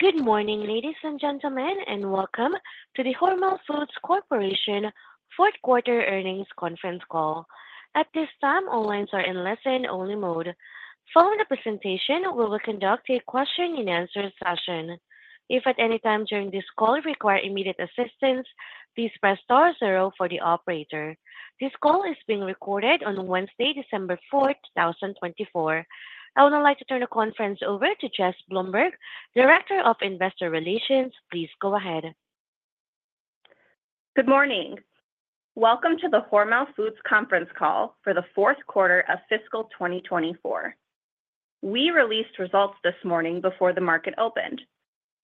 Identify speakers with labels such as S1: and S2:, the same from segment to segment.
S1: Good morning, ladies and gentlemen, and welcome to the Hormel Foods Corporation Fourth Quarter Earnings Conference Call. At this time, all lines are in listen-only mode. Following the presentation, we will conduct a question-and-answer session. If at any time during this call you require immediate assistance, please press star zero for the operator. This call is being recorded on Wednesday, December 4th, 2024. I would now like to turn the conference over to Jess Blomberg, Director of Investor Relations. Please go ahead.
S2: Good morning. Welcome to the Hormel Foods Conference Call for the fourth quarter of fiscal 2024. We released results this morning before the market opened.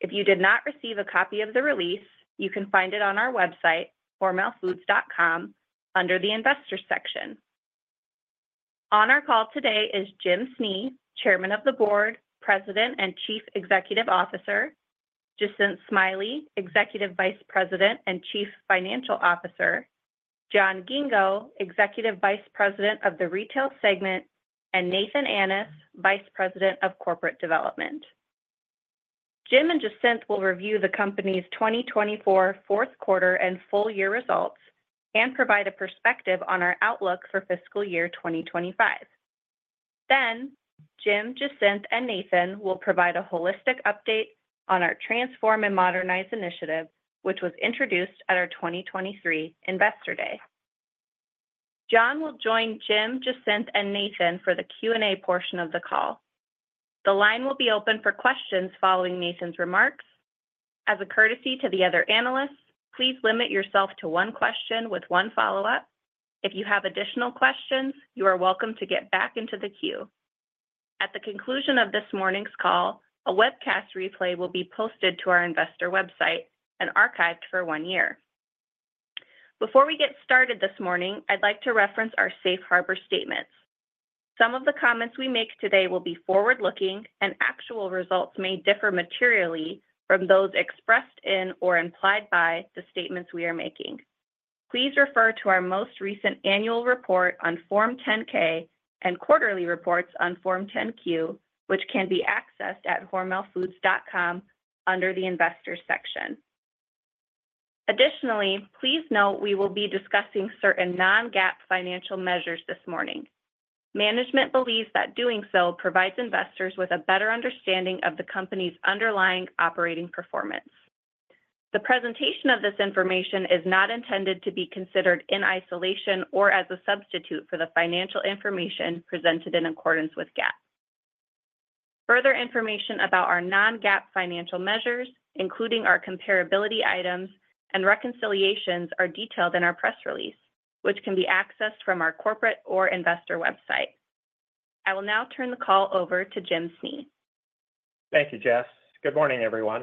S2: If you did not receive a copy of the release, you can find it on our website, hormelfoods.com, under the Investor section. On our call today is Jim Snee, Chairman of the Board, President, and Chief Executive Officer, Jacinth Smiley, Executive Vice President and Chief Financial Officer, John Ghingo, Executive Vice President of the Retail Segment, and Nathan Annis, Vice President of Corporate Development. Jim and Jacinth will review the company's 2024 fourth quarter and full year results and provide a perspective on our outlook for fiscal year 2025. Then, Jim, Jacinth, and Nathan will provide a holistic update on our Transform and Modernize initiative, which was introduced at our 2023 Investor Day. John will join Jim, Jacinth, and Nathan for the Q&A portion of the call. The line will be open for questions following Nathan's remarks. As a courtesy to the other analysts, please limit yourself to one question with one follow-up. If you have additional questions, you are welcome to get back into the queue. At the conclusion of this morning's call, a webcast replay will be posted to our investor website and archived for one year. Before we get started this morning, I'd like to reference our Safe Harbor Statement. Some of the comments we make today will be forward-looking, and actual results may differ materially from those expressed in or implied by the statements we are making. Please refer to our most recent annual report on Form 10-K and quarterly reports on Form 10-Q, which can be accessed at hormelfoods.com under the Investor section. Additionally, please note we will be discussing certain non-GAAP financial measures this morning. Management believes that doing so provides investors with a better understanding of the company's underlying operating performance. The presentation of this information is not intended to be considered in isolation or as a substitute for the financial information presented in accordance with GAAP. Further information about our non-GAAP financial measures, including our comparability items and reconciliations, is detailed in our press release, which can be accessed from our corporate or investor website. I will now turn the call over to Jim Snee.
S3: Thank you, Jess. Good morning, everyone.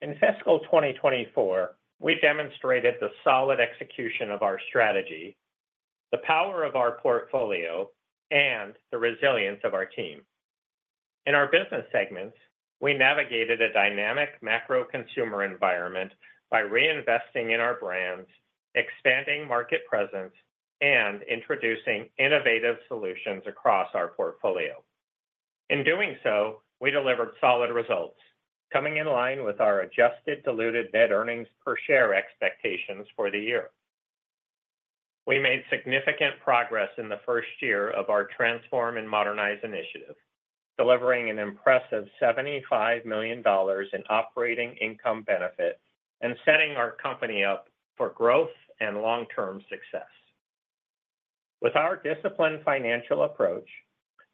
S3: In fiscal 2024, we demonstrated the solid execution of our strategy, the power of our portfolio, and the resilience of our team. In our business segments, we navigated a dynamic macro consumer environment by reinvesting in our brands, expanding market presence, and introducing innovative solutions across our portfolio. In doing so, we delivered solid results, coming in line with our adjusted diluted net earnings per share expectations for the year. We made significant progress in the first year of our Transform and Modernize initiative, delivering an impressive $75 million in operating income benefit and setting our company up for growth and long-term success. With our disciplined financial approach,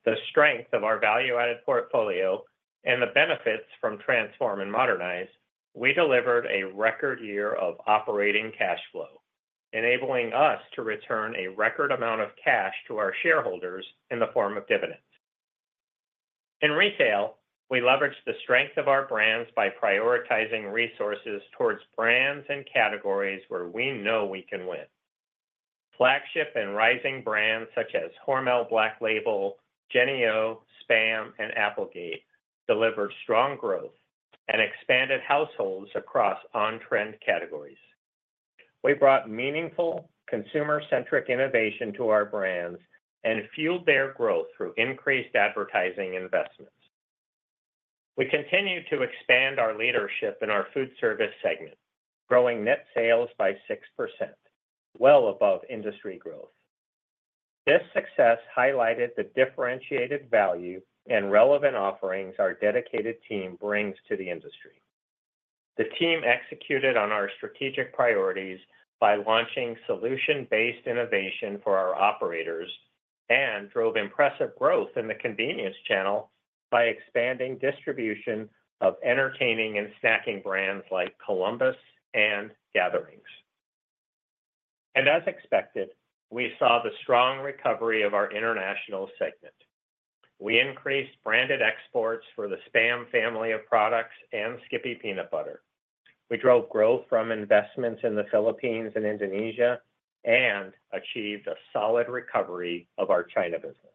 S3: the strength of our value-added portfolio, and the benefits from Transform and Modernize, we delivered a record year of operating cash flow, enabling us to return a record amount of cash to our shareholders in the form of dividends. In retail, we leveraged the strength of our brands by prioritizing resources towards brands and categories where we know we can win. Flagship and rising brands such as Hormel Black Label, Jennie-O, SPAM, and Applegate delivered strong growth and expanded households across on-trend categories. We brought meaningful consumer-centric innovation to our brands and fueled their growth through increased advertising investments. We continue to expand our leadership in our Foodservice segment, growing net sales by 6%, well above industry growth. This success highlighted the differentiated value and relevant offerings our dedicated team brings to the industry. The team executed on our strategic priorities by launching solution-based innovation for our operators and drove impressive growth in the convenience channel by expanding distribution of entertaining and snacking brands like Columbus and Gatherings, and as expected, we saw the strong recovery of our international segment. We increased branded exports for the SPAM family of products and SKIPPY Peanut Butter. We drove growth from investments in the Philippines and Indonesia and achieved a solid recovery of our China business.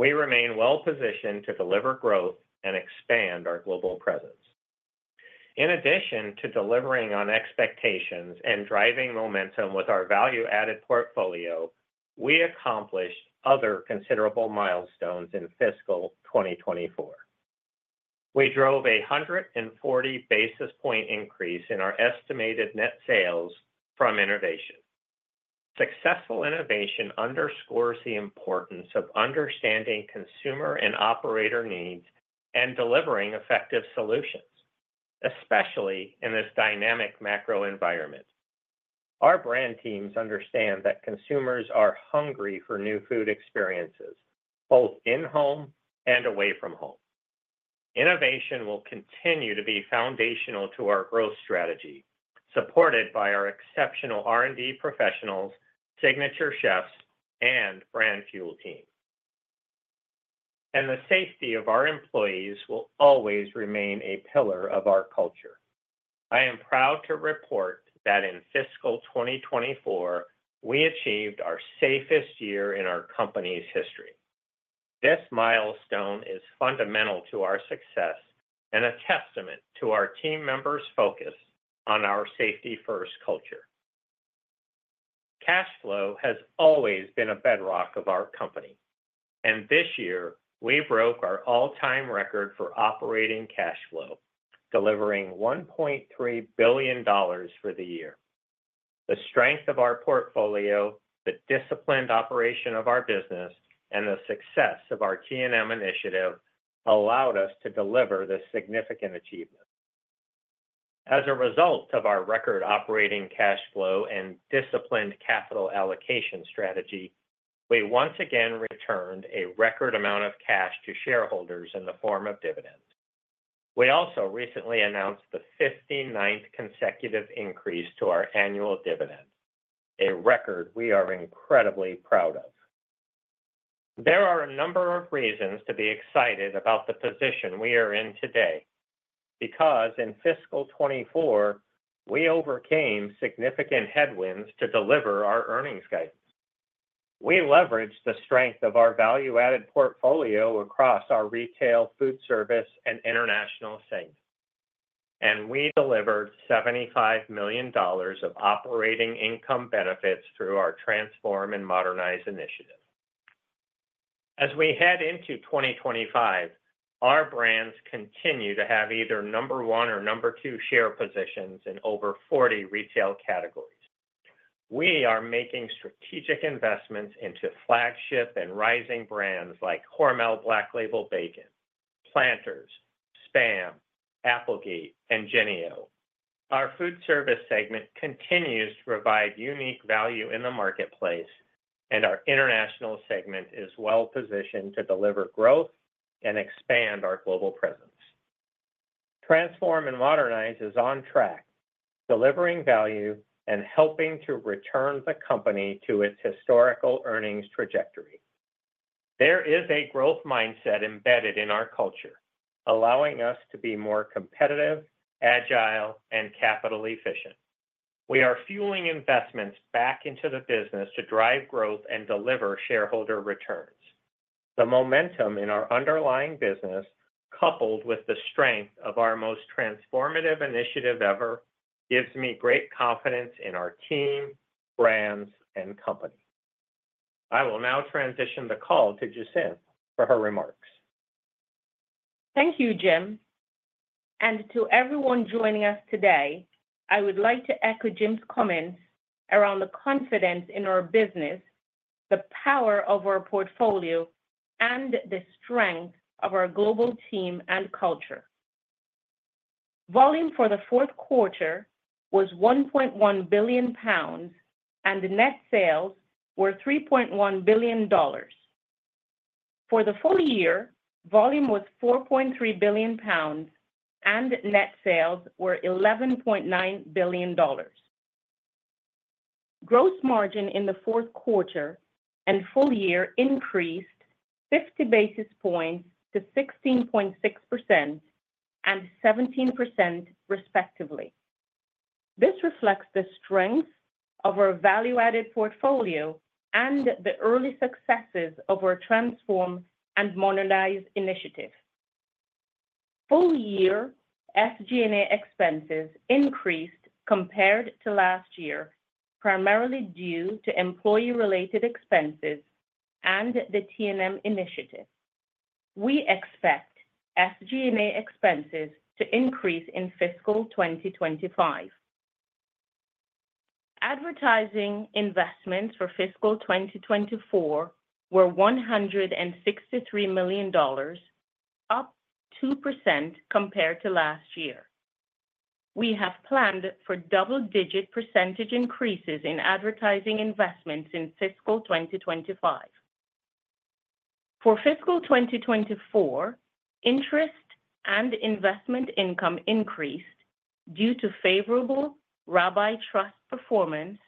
S3: We remain well-positioned to deliver growth and expand our global presence. In addition to delivering on expectations and driving momentum with our value-added portfolio, we accomplished other considerable milestones in fiscal 2024. We drove a 140 basis point increase in our estimated net sales from innovation. Successful innovation underscores the importance of understanding consumer and operator needs and delivering effective solutions, especially in this dynamic macro environment. Our brand teams understand that consumers are hungry for new food experiences, both in-home and away from home. Innovation will continue to be foundational to our growth strategy, supported by our exceptional R&D professionals, signature chefs, and Brand Fuel team. And the safety of our employees will always remain a pillar of our culture. I am proud to report that in fiscal 2024, we achieved our safest year in our company's history. This milestone is fundamental to our success and a testament to our team members' focus on our safety-first culture. Cash flow has always been a bedrock of our company, and this year we broke our all-time record for operating cash flow, delivering $1.3 billion for the year. The strength of our portfolio, the disciplined operation of our business, and the success of our T&M initiative allowed us to deliver this significant achievement. As a result of our record operating cash flow and disciplined capital allocation strategy, we once again returned a record amount of cash to shareholders in the form of dividends. We also recently announced the 59th consecutive increase to our annual dividend, a record we are incredibly proud of. There are a number of reasons to be excited about the position we are in today because in fiscal 2024, we overcame significant headwinds to deliver our earnings guidance. We leveraged the strength of our value-added portfolio across our Retail, Foodservice, and International segment, and we delivered $75 million of operating income benefits through our Transform and Modernize initiative. As we head into 2025, our brands continue to have either number one or number two share positions in over 40 retail categories. We are making strategic investments into flagship and rising brands like Hormel Black Label Bacon, Planters, SPAM, Applegate, and Jennie-O. Our Foodservice segment continues to provide unique value in the marketplace, and our international segment is well-positioned to deliver growth and expand our global presence. Transform and Modernize is on track, delivering value and helping to return the company to its historical earnings trajectory. There is a growth mindset embedded in our culture, allowing us to be more competitive, agile, and capital efficient. We are fueling investments back into the business to drive growth and deliver shareholder returns. The momentum in our underlying business, coupled with the strength of our most transformative initiative ever, gives me great confidence in our team, brands, and company. I will now transition the call to Jacinth for her remarks.
S4: Thank you, Jim. To everyone joining us today, I would like to echo Jim's comments around the confidence in our business, the power of our portfolio, and the strength of our global team and culture. Volume for the fourth quarter was 1.1 billion pounds, and net sales were $3.1 billion. For the full year, volume was 4.3 billion pounds, and net sales were $11.9 billion. Gross margin in the fourth quarter and full year increased 50 basis points to 16.6% and 17%, respectively. This reflects the strength of our value-added portfolio and the early successes of our Transform and Modernize initiative. Full year SG&A expenses increased compared to last year, primarily due to employee-related expenses and the T&M initiative. We expect SG&A expenses to increase in fiscal 2025. Advertising investments for fiscal 2024 were $163 million, up 2% compared to last year. We have planned for double-digit percentage increases in advertising investments in fiscal 2025. For fiscal 2024, interest and investment income increased due to favorable Rabbi Trust performance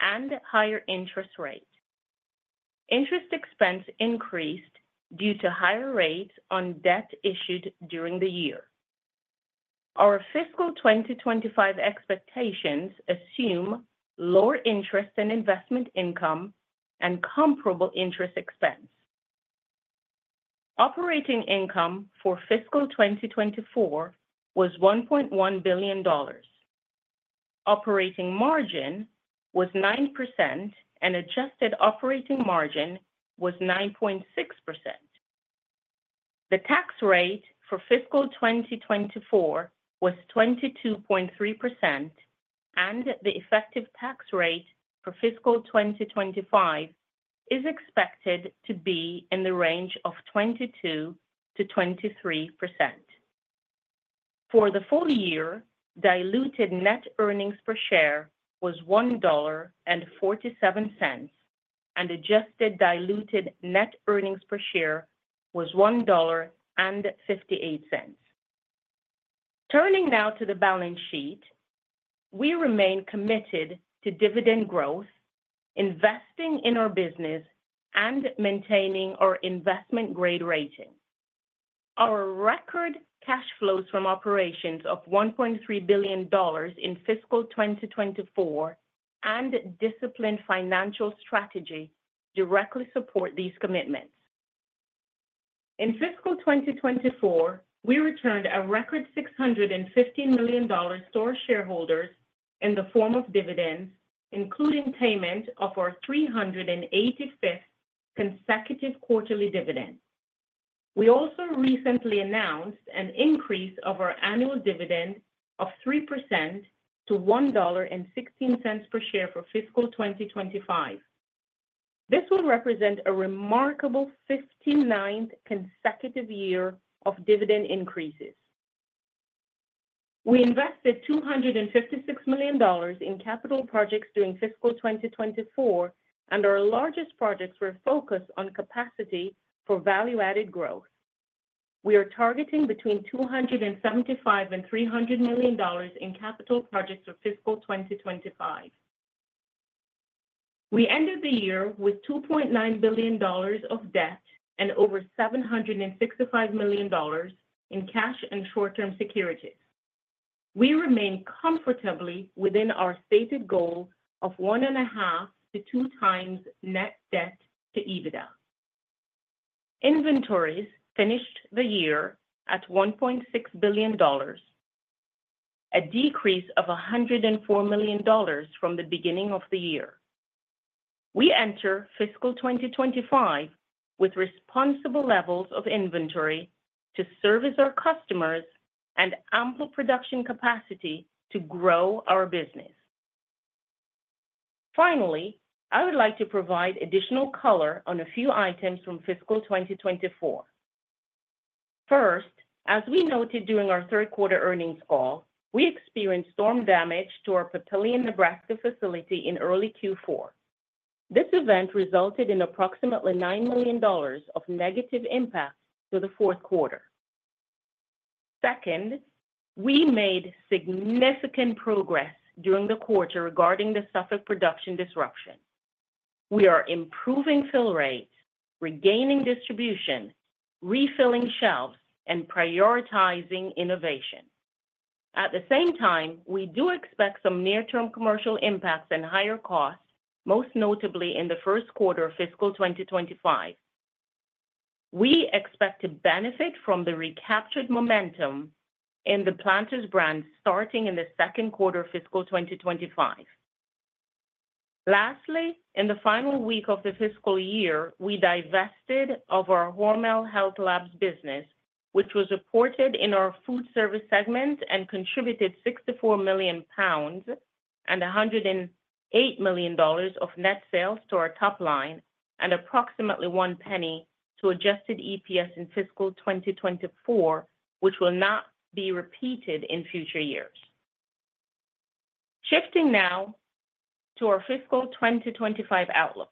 S4: and higher interest rates. Interest expense increased due to higher rates on debt issued during the year. Our fiscal 2025 expectations assume lower interest and investment income and comparable interest expense. Operating income for fiscal 2024 was $1.1 billion. Operating margin was 9%, and adjusted operating margin was 9.6%. The tax rate for fiscal 2024 was 22.3%, and the effective tax rate for fiscal 2025 is expected to be in the range of 22%-23%. For the full year, diluted net earnings per share was $1.47, and adjusted diluted net earnings per share was $1.58. Turning now to the balance sheet, we remain committed to dividend growth, investing in our business, and maintaining our investment-grade rating. Our record cash flows from operations of $1.3 billion in fiscal 2024 and disciplined financial strategy directly support these commitments. In fiscal 2024, we returned a record $615 million to our shareholders in the form of dividends, including payment of our 385th consecutive quarterly dividend. We also recently announced an increase of our annual dividend of 3% to $1.16 per share for fiscal 2025. This will represent a remarkable 59th consecutive year of dividend increases. We invested $256 million in capital projects during fiscal 2024, and our largest projects were focused on capacity for value-added growth. We are targeting between $275 and $300 million in capital projects for fiscal 2025. We ended the year with $2.9 billion of debt and over $765 million in cash and short-term securities. We remain comfortably within our stated goal of 1.5x-2.5x net debt to EBITDA. Inventories finished the year at $1.6 billion, a decrease of $104 million from the beginning of the year. We enter fiscal 2025 with responsible levels of inventory to service our customers and ample production capacity to grow our business. Finally, I would like to provide additional color on a few items from fiscal 2024. First, as we noted during our third quarter earnings call, we experienced storm damage to our Papillion, Nebraska facility in early Q4. This event resulted in approximately $9 million of negative impact to the fourth quarter. Second, we made significant progress during the quarter regarding the Suffolk production disruption. We are improving fill rates, regaining distribution, refilling shelves, and prioritizing innovation. At the same time, we do expect some near-term commercial impacts and higher costs, most notably in the first quarter of fiscal 2025. We expect to benefit from the recaptured momentum in the Planters brand starting in the second quarter of fiscal 2025. Lastly, in the final week of the fiscal year, we divested of our Hormel Health Labs business, which was reported in our Foodservice segment and contributed 64 million pounds and $108 million of net sales to our top line and approximately $0.01 to adjusted EPS in fiscal 2024, which will not be repeated in future years. Shifting now to our fiscal 2025 outlook,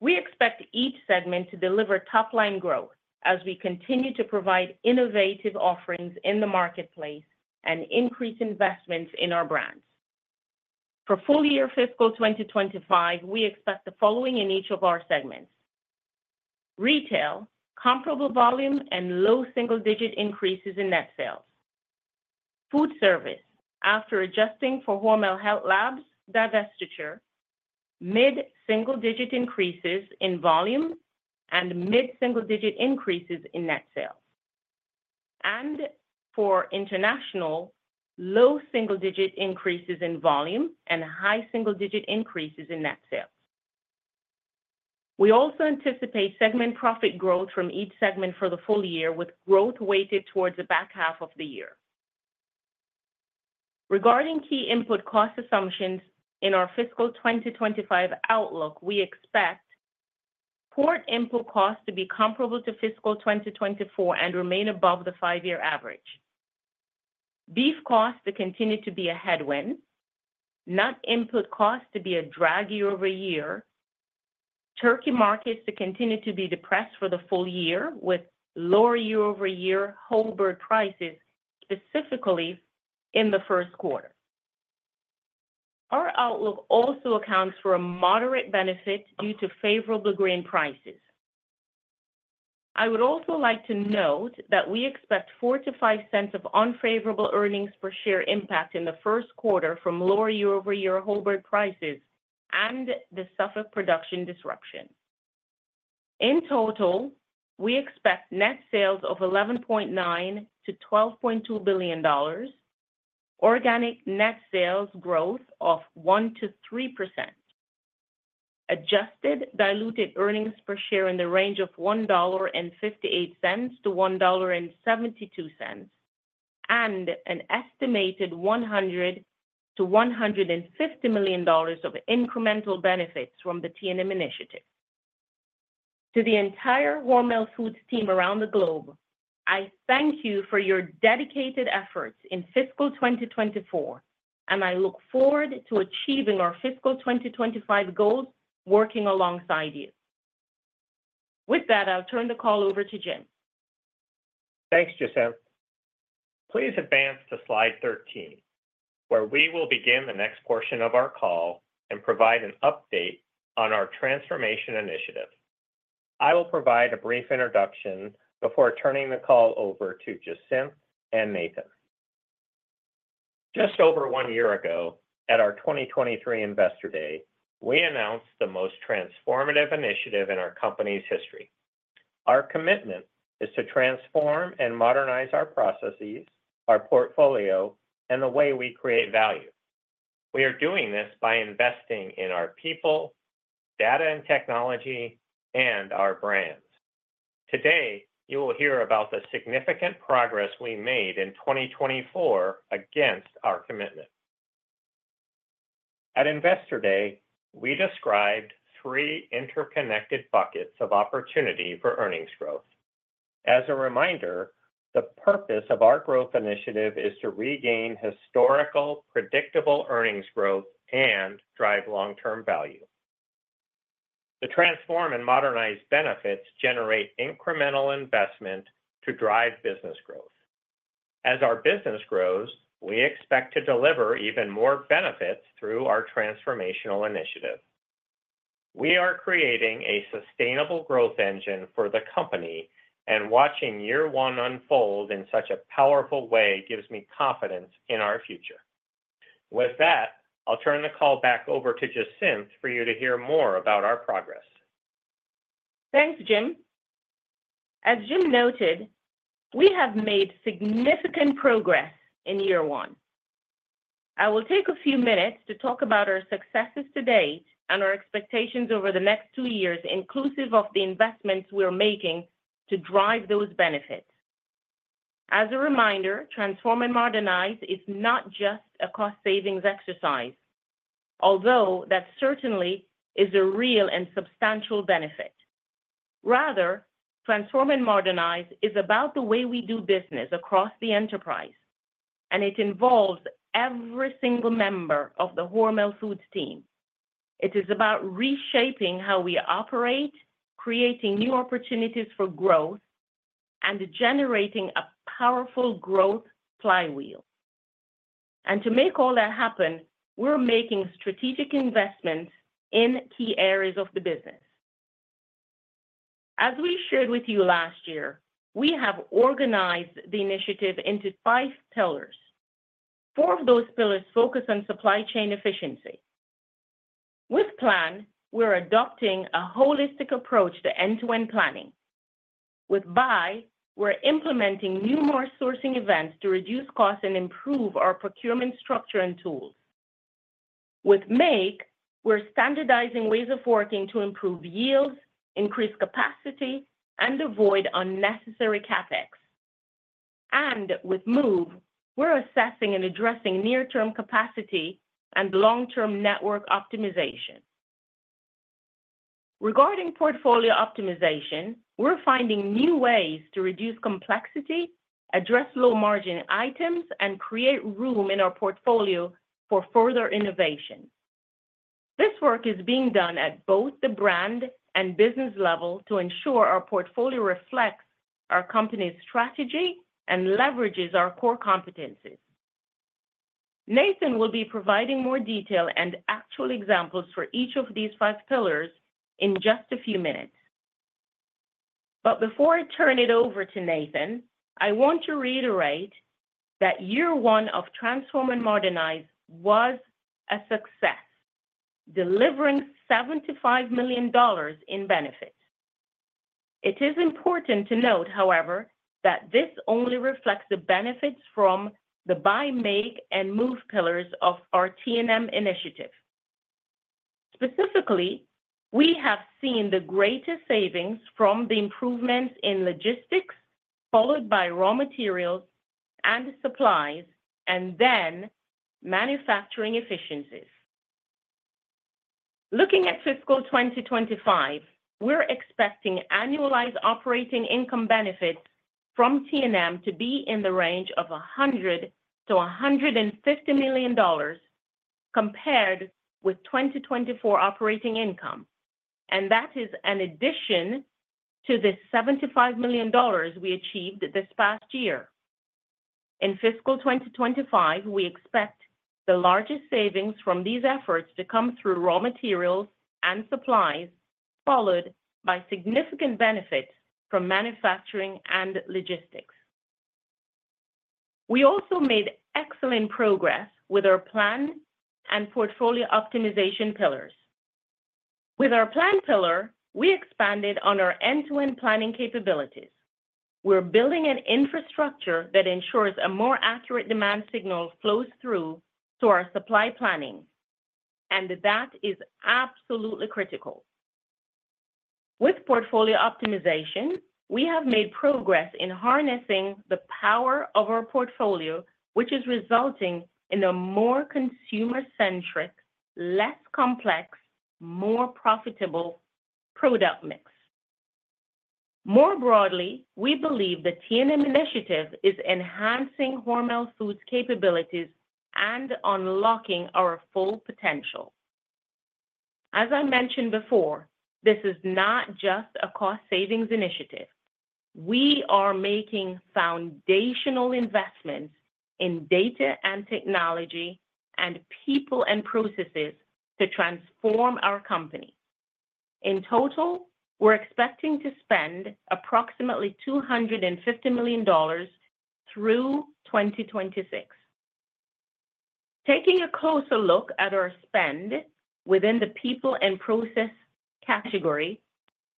S4: we expect each segment to deliver top-line growth as we continue to provide innovative offerings in the marketplace and increase investments in our brands. For full year fiscal 2025, we expect the following in each of our segments: Retail, comparable volume and low single-digit increases in net sales; Foodservice, after adjusting for Hormel Health Labs divestiture, mid-single-digit increases in volume and mid-single-digit increases in net sales; and for International, low single-digit increases in volume and high single-digit increases in net sales. We also anticipate segment profit growth from each segment for the full year with growth weighted towards the back half of the year. Regarding key input cost assumptions in our fiscal 2025 outlook, we expect Pork input costs to be comparable to fiscal 2024 and remain above the five-year average. Beef costs to continue to be a headwind, nut input costs to be a drag year-over-year, turkey markets to continue to be depressed for the full year with lower year-over-year whole bird prices, specifically in the first quarter. Our outlook also accounts for a moderate benefit due to favorable grain prices. I would also like to note that we expect 4%-5% of unfavorable earnings per share impact in the first quarter from lower year-over-year whole bird prices and the Suffolk production disruption. In total, we expect net sales of $11.9 billion-$12.2 billion, organic net sales growth of 1%-3%, adjusted diluted earnings per share in the range of $1.58-$1.72, and an estimated $100 million-$150 million of incremental benefits from the T&M initiative. To the entire Hormel Foods team around the globe, I thank you for your dedicated efforts in fiscal 2024, and I look forward to achieving our fiscal 2025 goals working alongside you. With that, I'll turn the call over to Jim.
S3: Thanks, Jacinth. Please advance to slide 13, where we will begin the next portion of our call and provide an update on our transformation initiative. I will provide a brief introduction before turning the call over to Jacinth and Nathan. Just over one year ago, at our 2023 Investor Day, we announced the most transformative initiative in our company's history. Our commitment is to transform and modernize our processes, our portfolio, and the way we create value. We are doing this by investing in our people, data and technology, and our brands. Today, you will hear about the significant progress we made in 2024 against our commitment. At Investor Day, we described three interconnected buckets of opportunity for earnings growth. As a reminder, the purpose of our growth initiative is to regain historical, predictable earnings growth and drive long-term value. The Transform and Modernize benefits generate incremental investment to drive business growth. As our business grows, we expect to deliver even more benefits through our transformational initiative. We are creating a sustainable growth engine for the company, and watching year one unfold in such a powerful way gives me confidence in our future. With that, I'll turn the call back over to Jacinth for you to hear more about our progress.
S4: Thanks, Jim. As Jim noted, we have made significant progress in year one. I will take a few minutes to talk about our successes to date and our expectations over the next two years, inclusive of the investments we're making to drive those benefits. As a reminder, Transform and Modernize is not just a cost-savings exercise, although that certainly is a real and substantial benefit. Rather, Transform and Modernize is about the way we do business across the enterprise, and it involves every single member of the Hormel Foods team. It is about reshaping how we operate, creating new opportunities for growth, and generating a powerful growth flywheel. And to make all that happen, we're making strategic investments in key areas of the business. As we shared with you last year, we have organized the initiative into five pillars. Four of those pillars focus on supply chain efficiency. With Plan, we're adopting a holistic approach to end-to-end planning. With Buy, we're implementing new more sourcing events to reduce costs and improve our procurement structure and tools. With Make, we're standardizing ways of working to improve yields, increase capacity, and avoid unnecessary CapEx. And with Move, we're assessing and addressing near-term capacity and long-term network optimization. Regarding portfolio optimization, we're finding new ways to reduce complexity, address low-margin items, and create room in our portfolio for further innovation. This work is being done at both the brand and business level to ensure our portfolio reflects our company's strategy and leverages our core competencies. Nathan will be providing more detail and actual examples for each of these five pillars in just a few minutes. But before I turn it over to Nathan, I want to reiterate that year one of Transform and Modernize was a success, delivering $75 million in benefits. It is important to note, however, that this only reflects the benefits from the Buy, Make, and Move pillars of our T&M initiative. Specifically, we have seen the greatest savings from the improvements in logistics, followed by raw materials and supplies, and then manufacturing efficiencies. Looking at fiscal 2025, we're expecting annualized operating income benefits from T&M to be in the range of $100 million-$150 million compared with 2024 operating income. And that is an addition to the $75 million we achieved this past year. In fiscal 2025, we expect the largest savings from these efforts to come through raw materials and supplies, followed by significant benefits from manufacturing and logistics. We also made excellent progress with our plan and portfolio optimization pillars. With our Plan pillar, we expanded on our end-to-end planning capabilities. We're building an infrastructure that ensures a more accurate demand signal flows through to our supply planning, and that is absolutely critical. With portfolio optimization, we have made progress in harnessing the power of our portfolio, which is resulting in a more consumer-centric, less complex, more profitable product mix. More broadly, we believe the T&M initiative is enhancing Hormel Foods' capabilities and unlocking our full potential. As I mentioned before, this is not just a cost-savings initiative. We are making foundational investments in data and technology and people and processes to transform our company. In total, we're expecting to spend approximately $250 million through 2026. Taking a closer look at our spend within the People and Process category,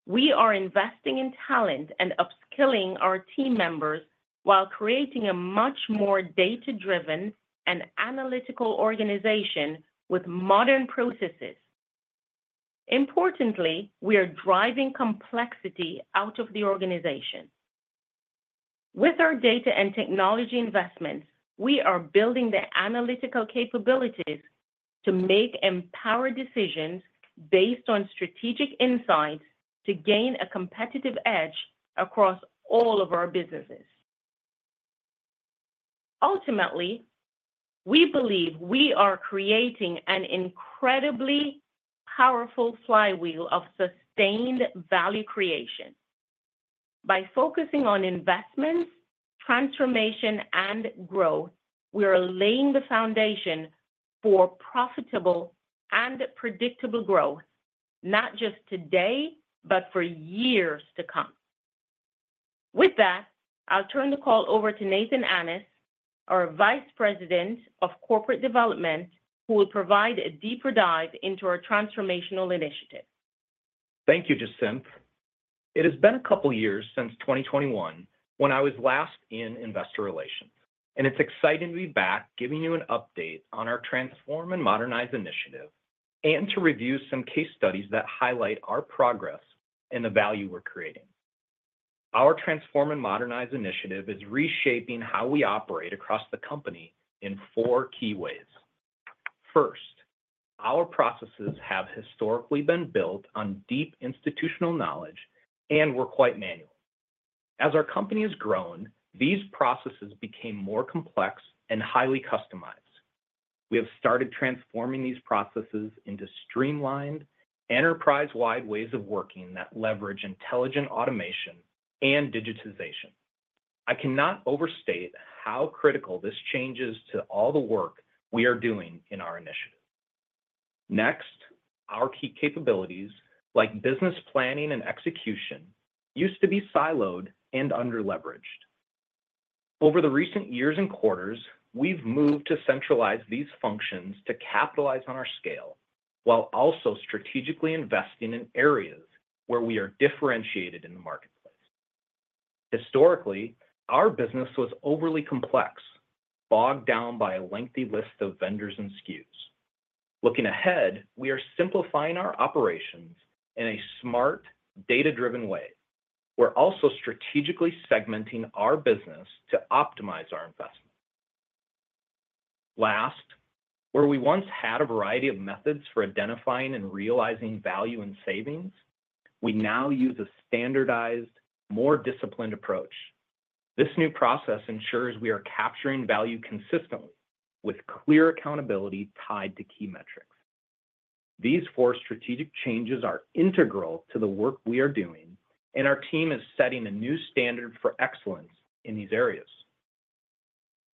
S4: we are investing in talent and upskilling our team members while creating a much more data-driven and analytical organization with modern processes. Importantly, we are driving complexity out of the organization. With our data and technology investments, we are building the analytical capabilities to make empowered decisions based on strategic insights to gain a competitive edge across all of our businesses. Ultimately, we believe we are creating an incredibly powerful flywheel of sustained value creation. By focusing on investments, transformation, and growth, we are laying the foundation for profitable and predictable growth, not just today, but for years to come. With that, I'll turn the call over to Nathan Annis, our Vice President of Corporate Development, who will provide a deeper dive into our transformational initiative.
S5: Thank you, Jacinth. It has been a couple of years since 2021 when I was last in Investor Relations, and it's exciting to be back giving you an update on our Transform and Modernize initiative and to review some case studies that highlight our progress and the value we're creating. Our Transform and Modernize initiative is reshaping how we operate across the company in four key ways. First, our processes have historically been built on deep institutional knowledge and were quite manual. As our company has grown, these processes became more complex and highly customized. We have started transforming these processes into streamlined, enterprise-wide ways of working that leverage intelligent automation and digitization. I cannot overstate how critical this change is to all the work we are doing in our initiative. Next, our key capabilities like business planning and execution used to be siloed and under-leveraged. Over the recent years and quarters, we've moved to centralize these functions to capitalize on our scale while also strategically investing in areas where we are differentiated in the marketplace. Historically, our business was overly complex, bogged down by a lengthy list of vendors and SKUs. Looking ahead, we are simplifying our operations in a smart, data-driven way. We're also strategically segmenting our business to optimize our investment. Last, where we once had a variety of methods for identifying and realizing value and savings, we now use a standardized, more disciplined approach. This new process ensures we are capturing value consistently with clear accountability tied to key metrics. These four strategic changes are integral to the work we are doing, and our team is setting a new standard for excellence in these areas.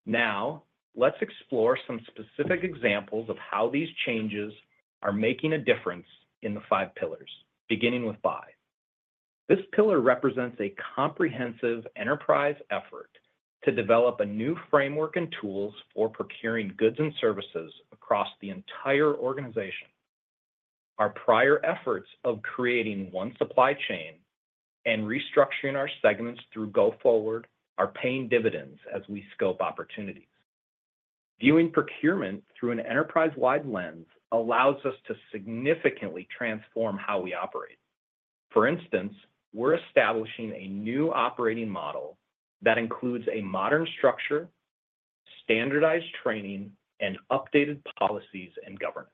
S5: Now, let's explore some specific examples of how these changes are making a difference in the five pillars, beginning with Buy. This pillar represents a comprehensive enterprise effort to develop a new framework and tools for procuring goods and services across the entire organization. Our prior efforts of creating One Supply Chain and restructuring our segments through Go Forward are paying dividends as we scope opportunities. Viewing procurement through an enterprise-wide lens allows us to significantly transform how we operate. For instance, we're establishing a new operating model that includes a modern structure, standardized training, and updated policies and governance.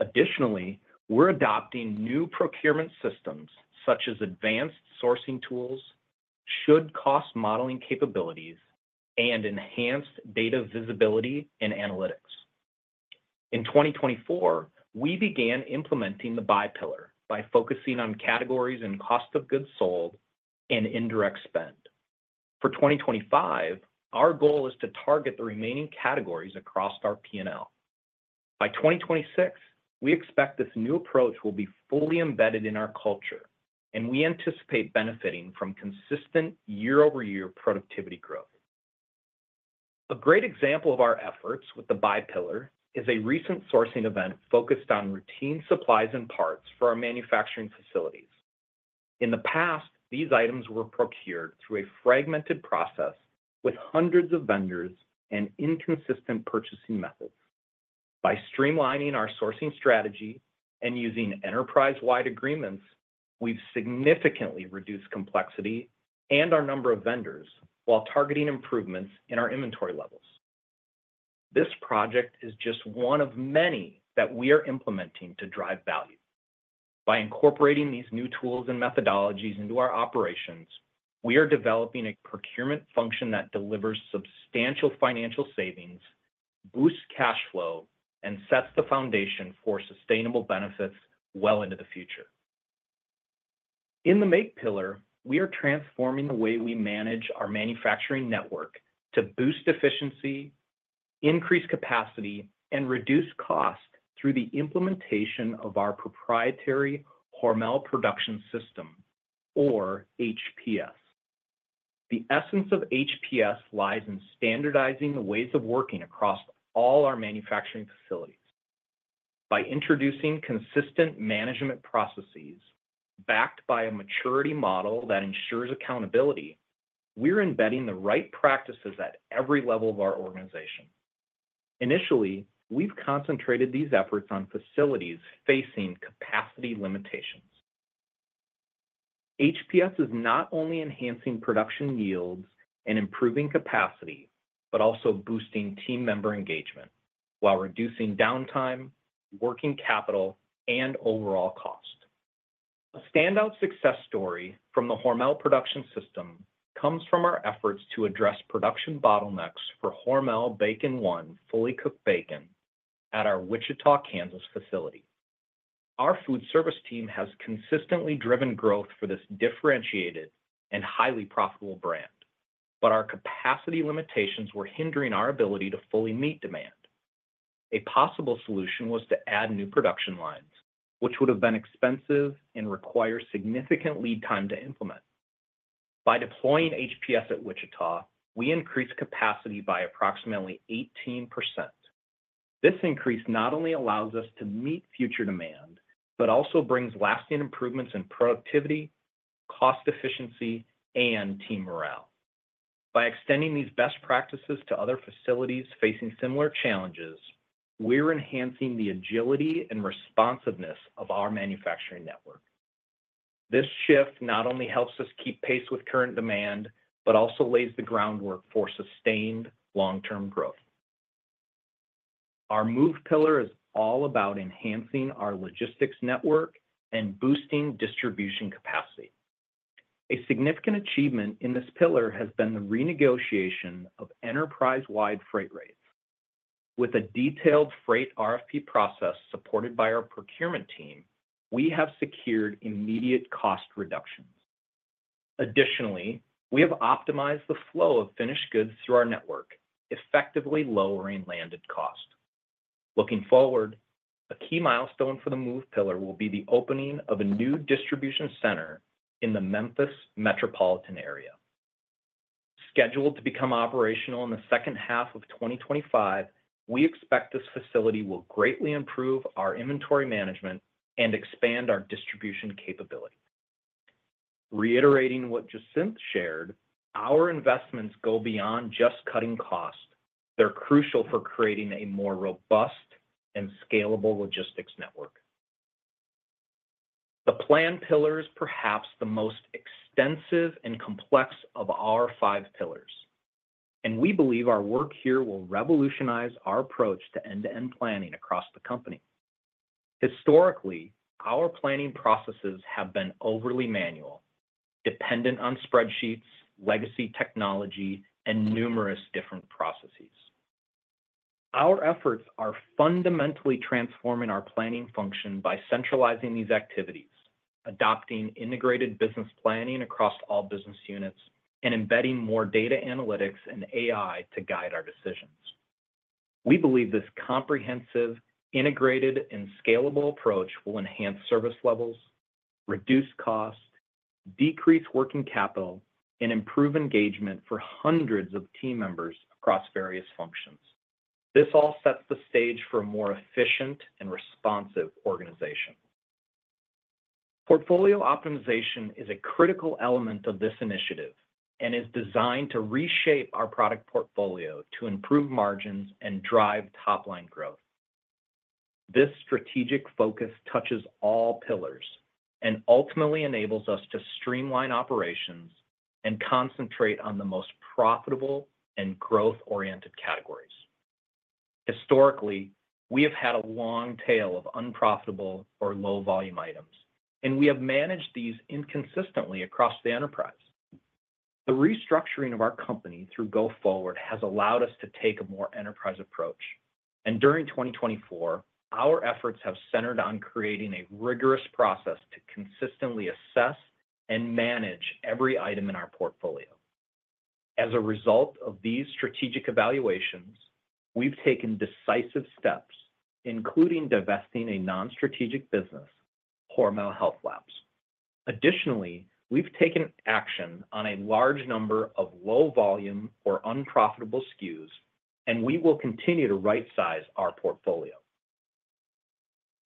S5: Additionally, we're adopting new procurement systems such as advanced sourcing tools, should cost modeling capabilities, and enhanced data visibility and analytics. In 2024, we began implementing the buy pillar by focusing on categories and cost of goods sold and indirect spend. For 2025, our goal is to target the remaining categories across our P&L. By 2026, we expect this new approach will be fully embedded in our culture, and we anticipate benefiting from consistent year-over-year productivity growth. A great example of our efforts with the Buy pillar is a recent sourcing event focused on routine supplies and parts for our manufacturing facilities. In the past, these items were procured through a fragmented process with hundreds of vendors and inconsistent purchasing methods. By streamlining our sourcing strategy and using enterprise-wide agreements, we've significantly reduced complexity and our number of vendors while targeting improvements in our inventory levels. This project is just one of many that we are implementing to drive value. By incorporating these new tools and methodologies into our operations, we are developing a procurement function that delivers substantial financial savings, boosts cash flow, and sets the foundation for sustainable benefits well into the future. In the Make pillar, we are transforming the way we manage our manufacturing network to boost efficiency, increase capacity, and reduce costs through the implementation of our proprietary Hormel Production System, or HPS. The essence of HPS lies in standardizing the ways of working across all our manufacturing facilities. By introducing consistent management processes backed by a maturity model that ensures accountability, we're embedding the right practices at every level of our organization. Initially, we've concentrated these efforts on facilities facing capacity limitations. HPS is not only enhancing production yields and improving capacity, but also boosting team member engagement while reducing downtime, working capital, and overall cost. A standout success story from the Hormel Production System comes from our efforts to address production bottlenecks for Hormel BACON 1 fully cooked bacon at our Wichita, Kansas facility. Our Foodservice team has consistently driven growth for this differentiated and highly profitable brand, but our capacity limitations were hindering our ability to fully meet demand. A possible solution was to add new production lines, which would have been expensive and required significant lead time to implement. By deploying HPS at Wichita, we increased capacity by approximately 18%. This increase not only allows us to meet future demand, but also brings lasting improvements in productivity, cost efficiency, and team morale. By extending these best practices to other facilities facing similar challenges, we're enhancing the agility and responsiveness of our manufacturing network. This shift not only helps us keep pace with current demand, but also lays the groundwork for sustained long-term growth. Our Move pillar is all about enhancing our logistics network and boosting distribution capacity. A significant achievement in this pillar has been the renegotiation of enterprise-wide freight rates. With a detailed freight RFP process supported by our procurement team, we have secured immediate cost reductions. Additionally, we have optimized the flow of finished goods through our network, effectively lowering landed cost. Looking forward, a key milestone for the Move pillar will be the opening of a new distribution center in the Memphis metropolitan area. Scheduled to become operational in the second half of 2025, we expect this facility will greatly improve our inventory management and expand our distribution capability. Reiterating what Jacinth shared, our investments go beyond just cutting costs. They're crucial for creating a more robust and scalable logistics network. The Plan pillar is perhaps the most extensive and complex of our five pillars, and we believe our work here will revolutionize our approach to end-to-end planning across the company. Historically, our planning processes have been overly manual, dependent on spreadsheets, legacy technology, and numerous different processes. Our efforts are fundamentally transforming our planning function by centralizing these activities, adopting Integrated Business Planning across all business units, and embedding more data analytics and AI to guide our decisions. We believe this comprehensive, integrated, and scalable approach will enhance service levels, reduce costs, decrease working capital, and improve engagement for hundreds of team members across various functions. This all sets the stage for a more efficient and responsive organization. Portfolio optimization is a critical element of this initiative and is designed to reshape our product portfolio to improve margins and drive top-line growth. This strategic focus touches all pillars and ultimately enables us to streamline operations and concentrate on the most profitable and growth-oriented categories. Historically, we have had a long tail of unprofitable or low-volume items, and we have managed these inconsistently across the enterprise. The restructuring of our company through Go Forward has allowed us to take a more enterprise approach, and during 2024, our efforts have centered on creating a rigorous process to consistently assess and manage every item in our portfolio. As a result of these strategic evaluations, we've taken decisive steps, including divesting a non-strategic business, Hormel Health Labs. Additionally, we've taken action on a large number of low-volume or unprofitable SKUs, and we will continue to right-size our portfolio.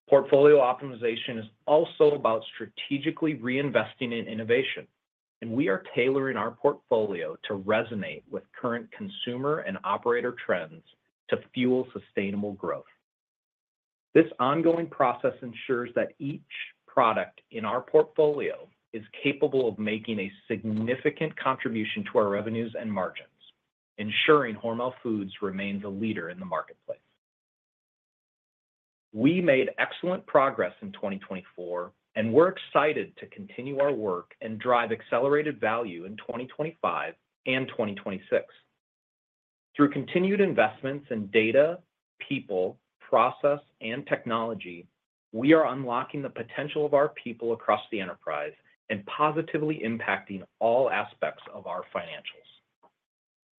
S5: Portfolio optimization is also about strategically reinvesting in innovation, and we are tailoring our portfolio to resonate with current consumer and operator trends to fuel sustainable growth. This ongoing process ensures that each product in our portfolio is capable of making a significant contribution to our revenues and margins, ensuring Hormel Foods remains a leader in the marketplace. We made excellent progress in 2024, and we're excited to continue our work and drive accelerated value in 2025 and 2026. Through continued investments in data, people, process, and technology, we are unlocking the potential of our people across the enterprise and positively impacting all aspects of our financials.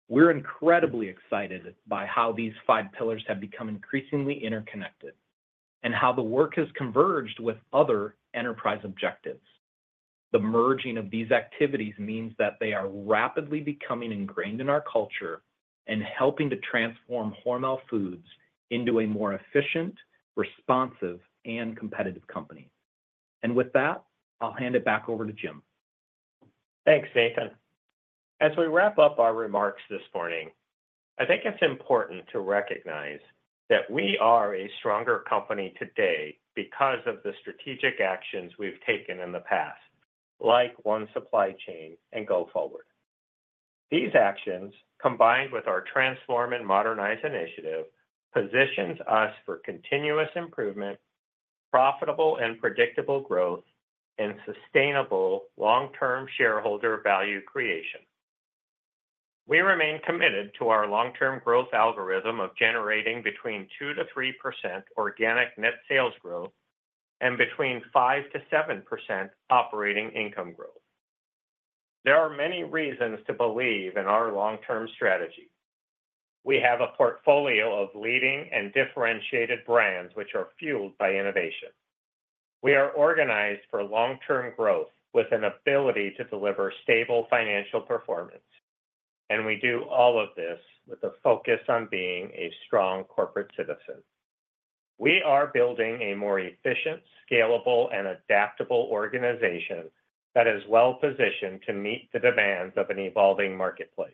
S5: We're incredibly excited by how these five pillars have become increasingly interconnected and how the work has converged with other enterprise objectives. The merging of these activities means that they are rapidly becoming ingrained in our culture and helping to transform Hormel Foods into a more efficient, responsive, and competitive company. And with that, I'll hand it back over to Jim.
S3: Thanks, Nathan. As we wrap up our remarks this morning, I think it's important to recognize that we are a stronger company today because of the strategic actions we've taken in the past, like One Supply Chain and Go Forward. These actions, combined with our Transform and Modernize initiative, positions us for continuous improvement, profitable and predictable growth, and sustainable long-term shareholder value creation. We remain committed to our long-term growth algorithm of generating between 2%-3% organic net sales growth and between 5%-7% operating income growth. There are many reasons to believe in our long-term strategy. We have a portfolio of leading and differentiated brands which are fueled by innovation. We are organized for long-term growth with an ability to deliver stable financial performance, and we do all of this with a focus on being a strong corporate citizen. We are building a more efficient, scalable, and adaptable organization that is well positioned to meet the demands of an evolving marketplace.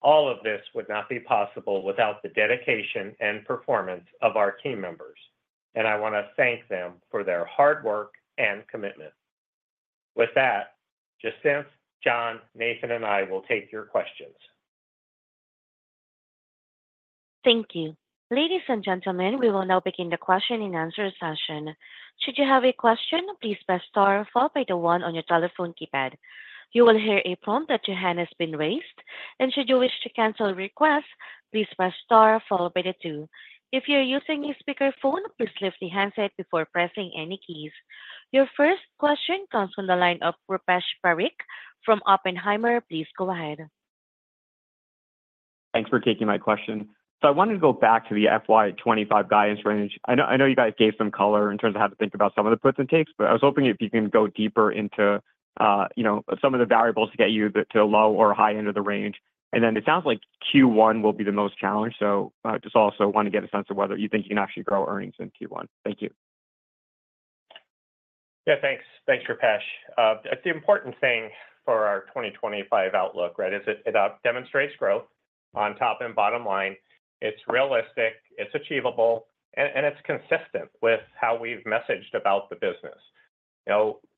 S3: All of this would not be possible without the dedication and performance of our team members, and I want to thank them for their hard work and commitment. With that, Jacinth, John, Nathan, and I will take your questions.
S1: Thank you. Ladies and gentlemen, we will now begin the question-and-answer session. Should you have a question, please press star followed by the one on your telephone keypad. You will hear a prompt that your hand has been raised, and should you wish to cancel a request, please press star followed by the two. If you're using a speakerphone, please lift the handset before pressing any keys. Your first question comes from the line of Rupesh Parikh from Oppenheimer. Please go ahead.
S6: Thanks for taking my question. So I wanted to go back to the FY 2025 guidance range. I know you guys gave some color in terms of how to think about some of the puts and takes, but I was hoping if you can go deeper into some of the variables to get you to the low or high end of the range. And then it sounds like Q1 will be the most challenged. So I just also want to get a sense of whether you think you can actually grow earnings in Q1. Thank you.
S3: Yeah, thanks. Thanks, Rupesh. That's the important thing for our 2025 outlook, right? It demonstrates growth on top and bottom line. It's realistic, it's achievable, and it's consistent with how we've messaged about the business.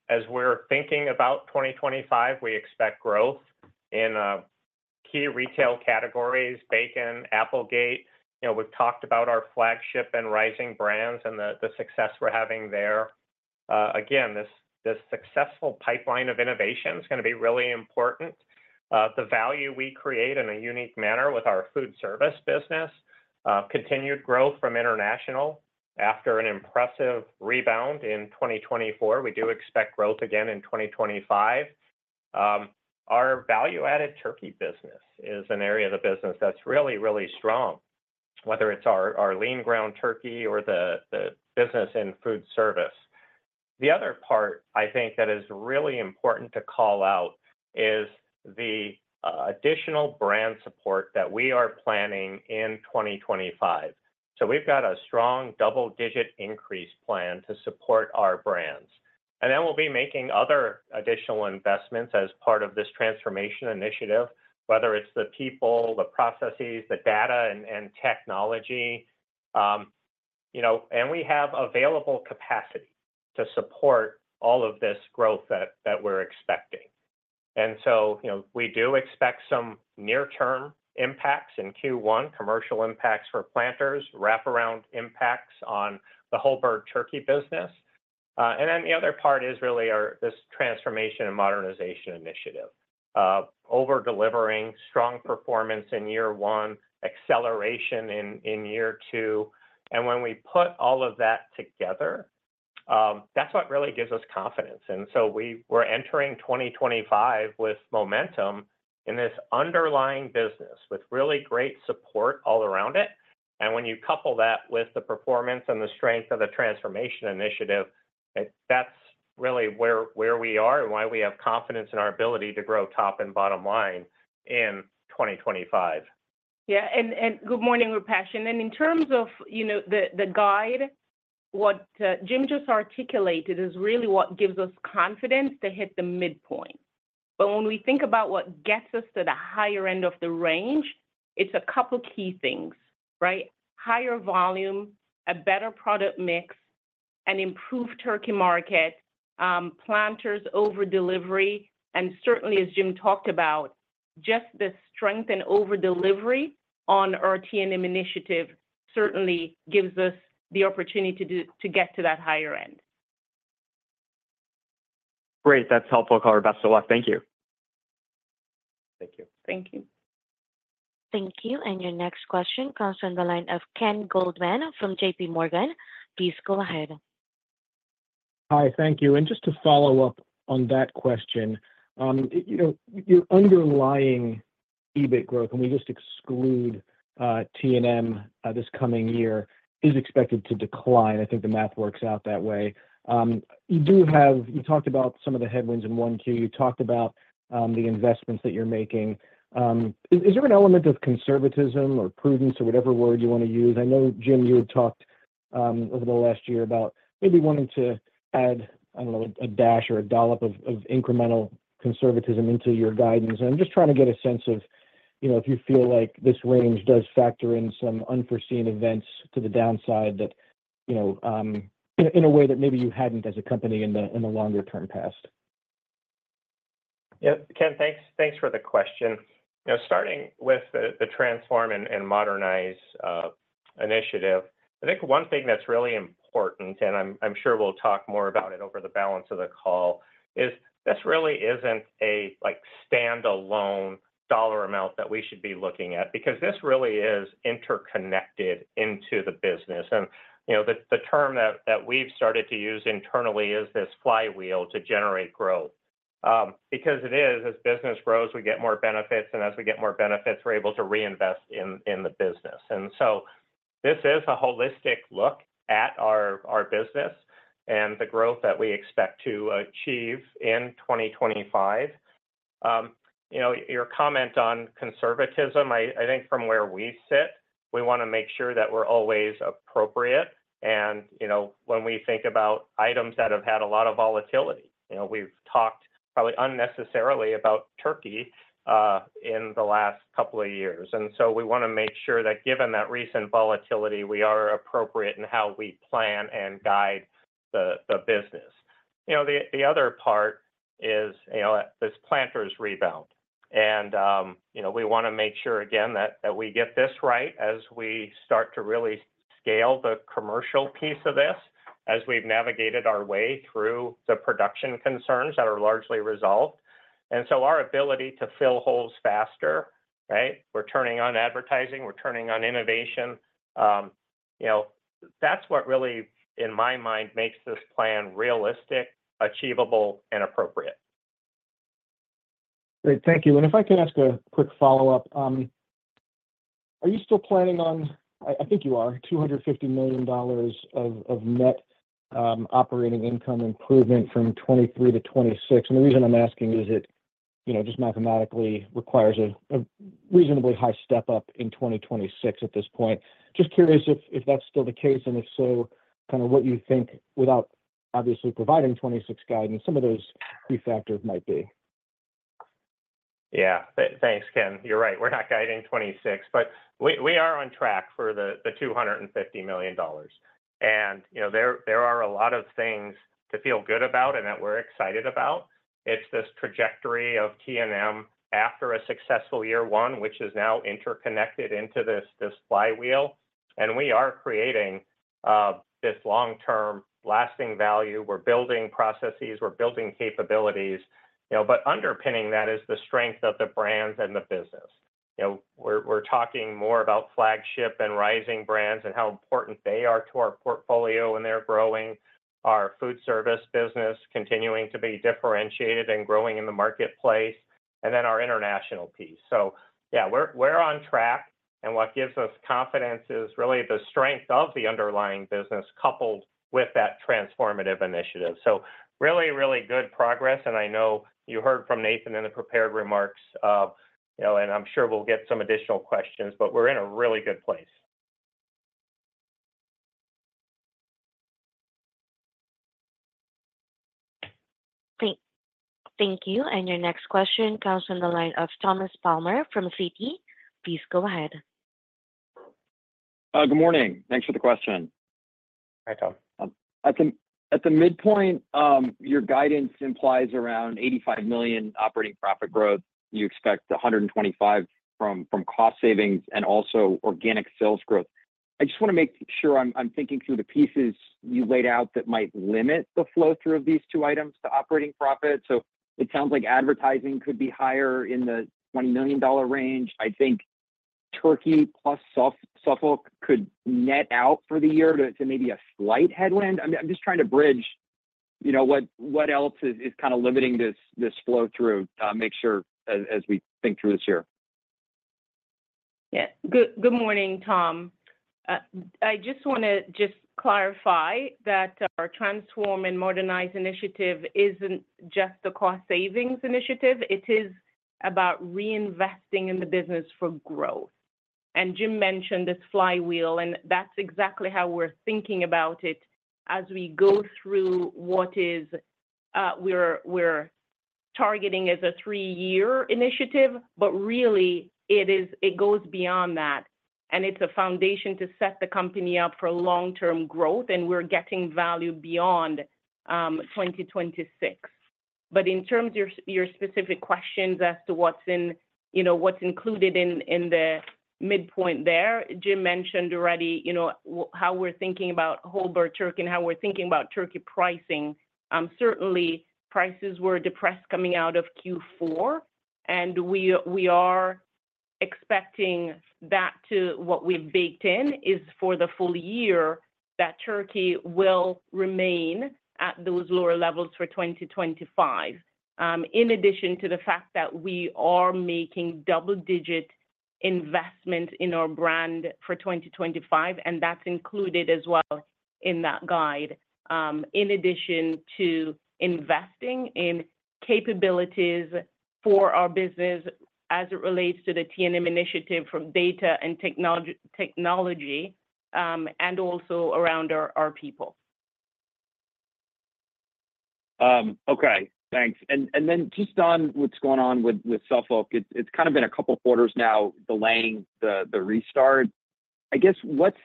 S3: As we're thinking about 2025, we expect growth in key retail categories: bacon, Applegate. We've talked about our flagship and rising brands and the success we're having there. Again, this successful pipeline of innovation is going to be really important. The value we create in a unique manner with our Foodservice business, continued growth from international after an impressive rebound in 2024. We do expect growth again in 2025. Our value-added Turkey business is an area of the business that's really, really strong, whether it's our lean ground turkey or the business in Foodservice. The other part I think that is really important to call out is the additional brand support that we are planning in 2025. So we've got a strong double-digit increase plan to support our brands. And then we'll be making other additional investments as part of this transformation initiative, whether it's the people, the processes, the data, and technology. And we have available capacity to support all of this growth that we're expecting. And so we do expect some near-term impacts in Q1, commercial impacts for Planters, wraparound impacts on the whole bird turkey business. And then the other part is really this transformation and modernization initiative, over-delivering, strong performance in year one, acceleration in year two. And when we put all of that together, that's what really gives us confidence. And so we're entering 2025 with momentum in this underlying business with really great support all around it. When you couple that with the performance and the strength of the transformation initiative, that's really where we are and why we have confidence in our ability to grow top and bottom line in 2025.
S4: Yeah. And good morning, Rupesh. And in terms of the guide, what Jim just articulated is really what gives us confidence to hit the midpoint. But when we think about what gets us to the higher end of the range, it's a couple of key things, right? Higher volume, a better product mix, an improved turkey market, Planters, over-delivery. And certainly, as Jim talked about, just the strength and over-delivery on our T&M initiative certainly gives us the opportunity to get to that higher end.
S6: Great. That's helpful color. Best of luck. Thank you.
S3: Thank you.
S1: Thank you. And your next question comes from the line of Ken Goldman from JPMorgan. Please go ahead.
S7: Hi. Thank you. And just to follow up on that question, your underlying EBIT growth, and we just exclude T&M this coming year, is expected to decline. I think the math works out that way. You talked about some of the headwinds in 1Q. You talked about the investments that you're making. Is there an element of conservatism or prudence or whatever word you want to use? I know, Jim, you had talked over the last year about maybe wanting to add, I don't know, a dash or a dollop of incremental conservatism into your guidance. And I'm just trying to get a sense of if you feel like this range does factor in some unforeseen events to the downside in a way that maybe you hadn't as a company in the longer-term past.
S3: Yeah. Ken, thanks for the question. Starting with the Transform and Modernize initiative, I think one thing that's really important, and I'm sure we'll talk more about it over the balance of the call, is this really isn't a standalone dollar amount that we should be looking at because this really is interconnected into the business. And the term that we've started to use internally is this flywheel to generate growth. Because it is, as business grows, we get more benefits, and as we get more benefits, we're able to reinvest in the business. And so this is a holistic look at our business and the growth that we expect to achieve in 2025. Your comment on conservatism, I think from where we sit, we want to make sure that we're always appropriate. When we think about items that have had a lot of volatility, we've talked probably unnecessarily about Turkey in the last couple of years. So we want to make sure that given that recent volatility, we are appropriate in how we plan and guide the business. The other part is this Planters rebound. We want to make sure, again, that we get this right as we start to really scale the commercial piece of this as we've navigated our way through the production concerns that are largely resolved. Our ability to fill holes faster, right? We're turning on advertising. We're turning on innovation. That's what really, in my mind, makes this plan realistic, achievable, and appropriate.
S7: Great. Thank you. And if I can ask a quick follow-up, are you still planning on, I think you are, $250 million of net operating income improvement from 2023 to 2026? And the reason I'm asking is it just mathematically requires a reasonably high step up in 2026 at this point. Just curious if that's still the case, and if so, kind of what you think without obviously providing 2026 guidance, some of those key factors might be.
S3: Yeah. Thanks, Ken. You're right. We're not guiding 2026, but we are on track for the $250 million. And there are a lot of things to feel good about and that we're excited about. It's this trajectory of T&M after a successful year one, which is now interconnected into this flywheel. And we are creating this long-term lasting value. We're building processes. We're building capabilities. But underpinning that is the strength of the brands and the business. We're talking more about flagship and rising brands and how important they are to our portfolio and they're growing, our Foodservice business continuing to be differentiated and growing in the marketplace, and then our international piece. So yeah, we're on track. And what gives us confidence is really the strength of the underlying business coupled with that transformative initiative. So really, really good progress. I know you heard from Nathan in the prepared remarks, and I'm sure we'll get some additional questions, but we're in a really good place.
S1: Thank you. And your next question comes from the line of Thomas Palmer from Citi. Please go ahead.
S8: Good morning. Thanks for the question.
S5: Hi, Tom.
S8: At the midpoint, your guidance implies around $85 million operating profit growth. You expect $125 million from cost savings and also organic sales growth. I just want to make sure I'm thinking through the pieces you laid out that might limit the flow through of these two items to operating profit. So it sounds like advertising could be higher in the $20 million range. I think Turkey plus Suffolk could net out for the year to maybe a slight headwind. I'm just trying to bridge what else is kind of limiting this flow through, make sure as we think through this year.
S4: Yeah. Good morning, Tom. I just want to clarify that our Transform and Modernize initiative isn't just the cost savings initiative. It is about reinvesting in the business for growth. And Jim mentioned this flywheel, and that's exactly how we're thinking about it as we go through what we're targeting as a three-year initiative, but really, it goes beyond that. And it's a foundation to set the company up for long-term growth, and we're getting value beyond 2026. But in terms of your specific questions as to what's included in the midpoint there, Jim mentioned already how we're thinking about whole bird turkey and how we're thinking about turkey pricing. Certainly, prices were depressed coming out of Q4, and we are expecting that, too. What we've baked in is for the full year that Turkey will remain at those lower levels for 2025. In addition to the fact that we are making double-digit investment in our brand for 2025, and that's included as well in that guide, in addition to investing in capabilities for our business as it relates to the T&M initiative from data and technology and also around our people.
S8: Okay. Thanks. And then just on what's going on with Suffolk, it's kind of been a couple of quarters now delaying the restart. I guess what's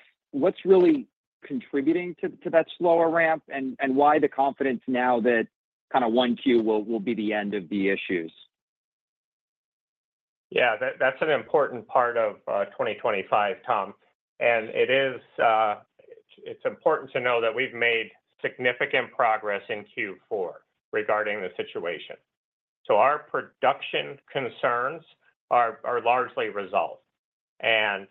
S8: really contributing to that slower ramp and why the confidence now that kind of one Q will be the end of the issues?
S2: Yeah. That's an important part of 2025, Tom. And it's important to know that we've made significant progress in Q4 regarding the situation. So our production concerns are largely resolved. And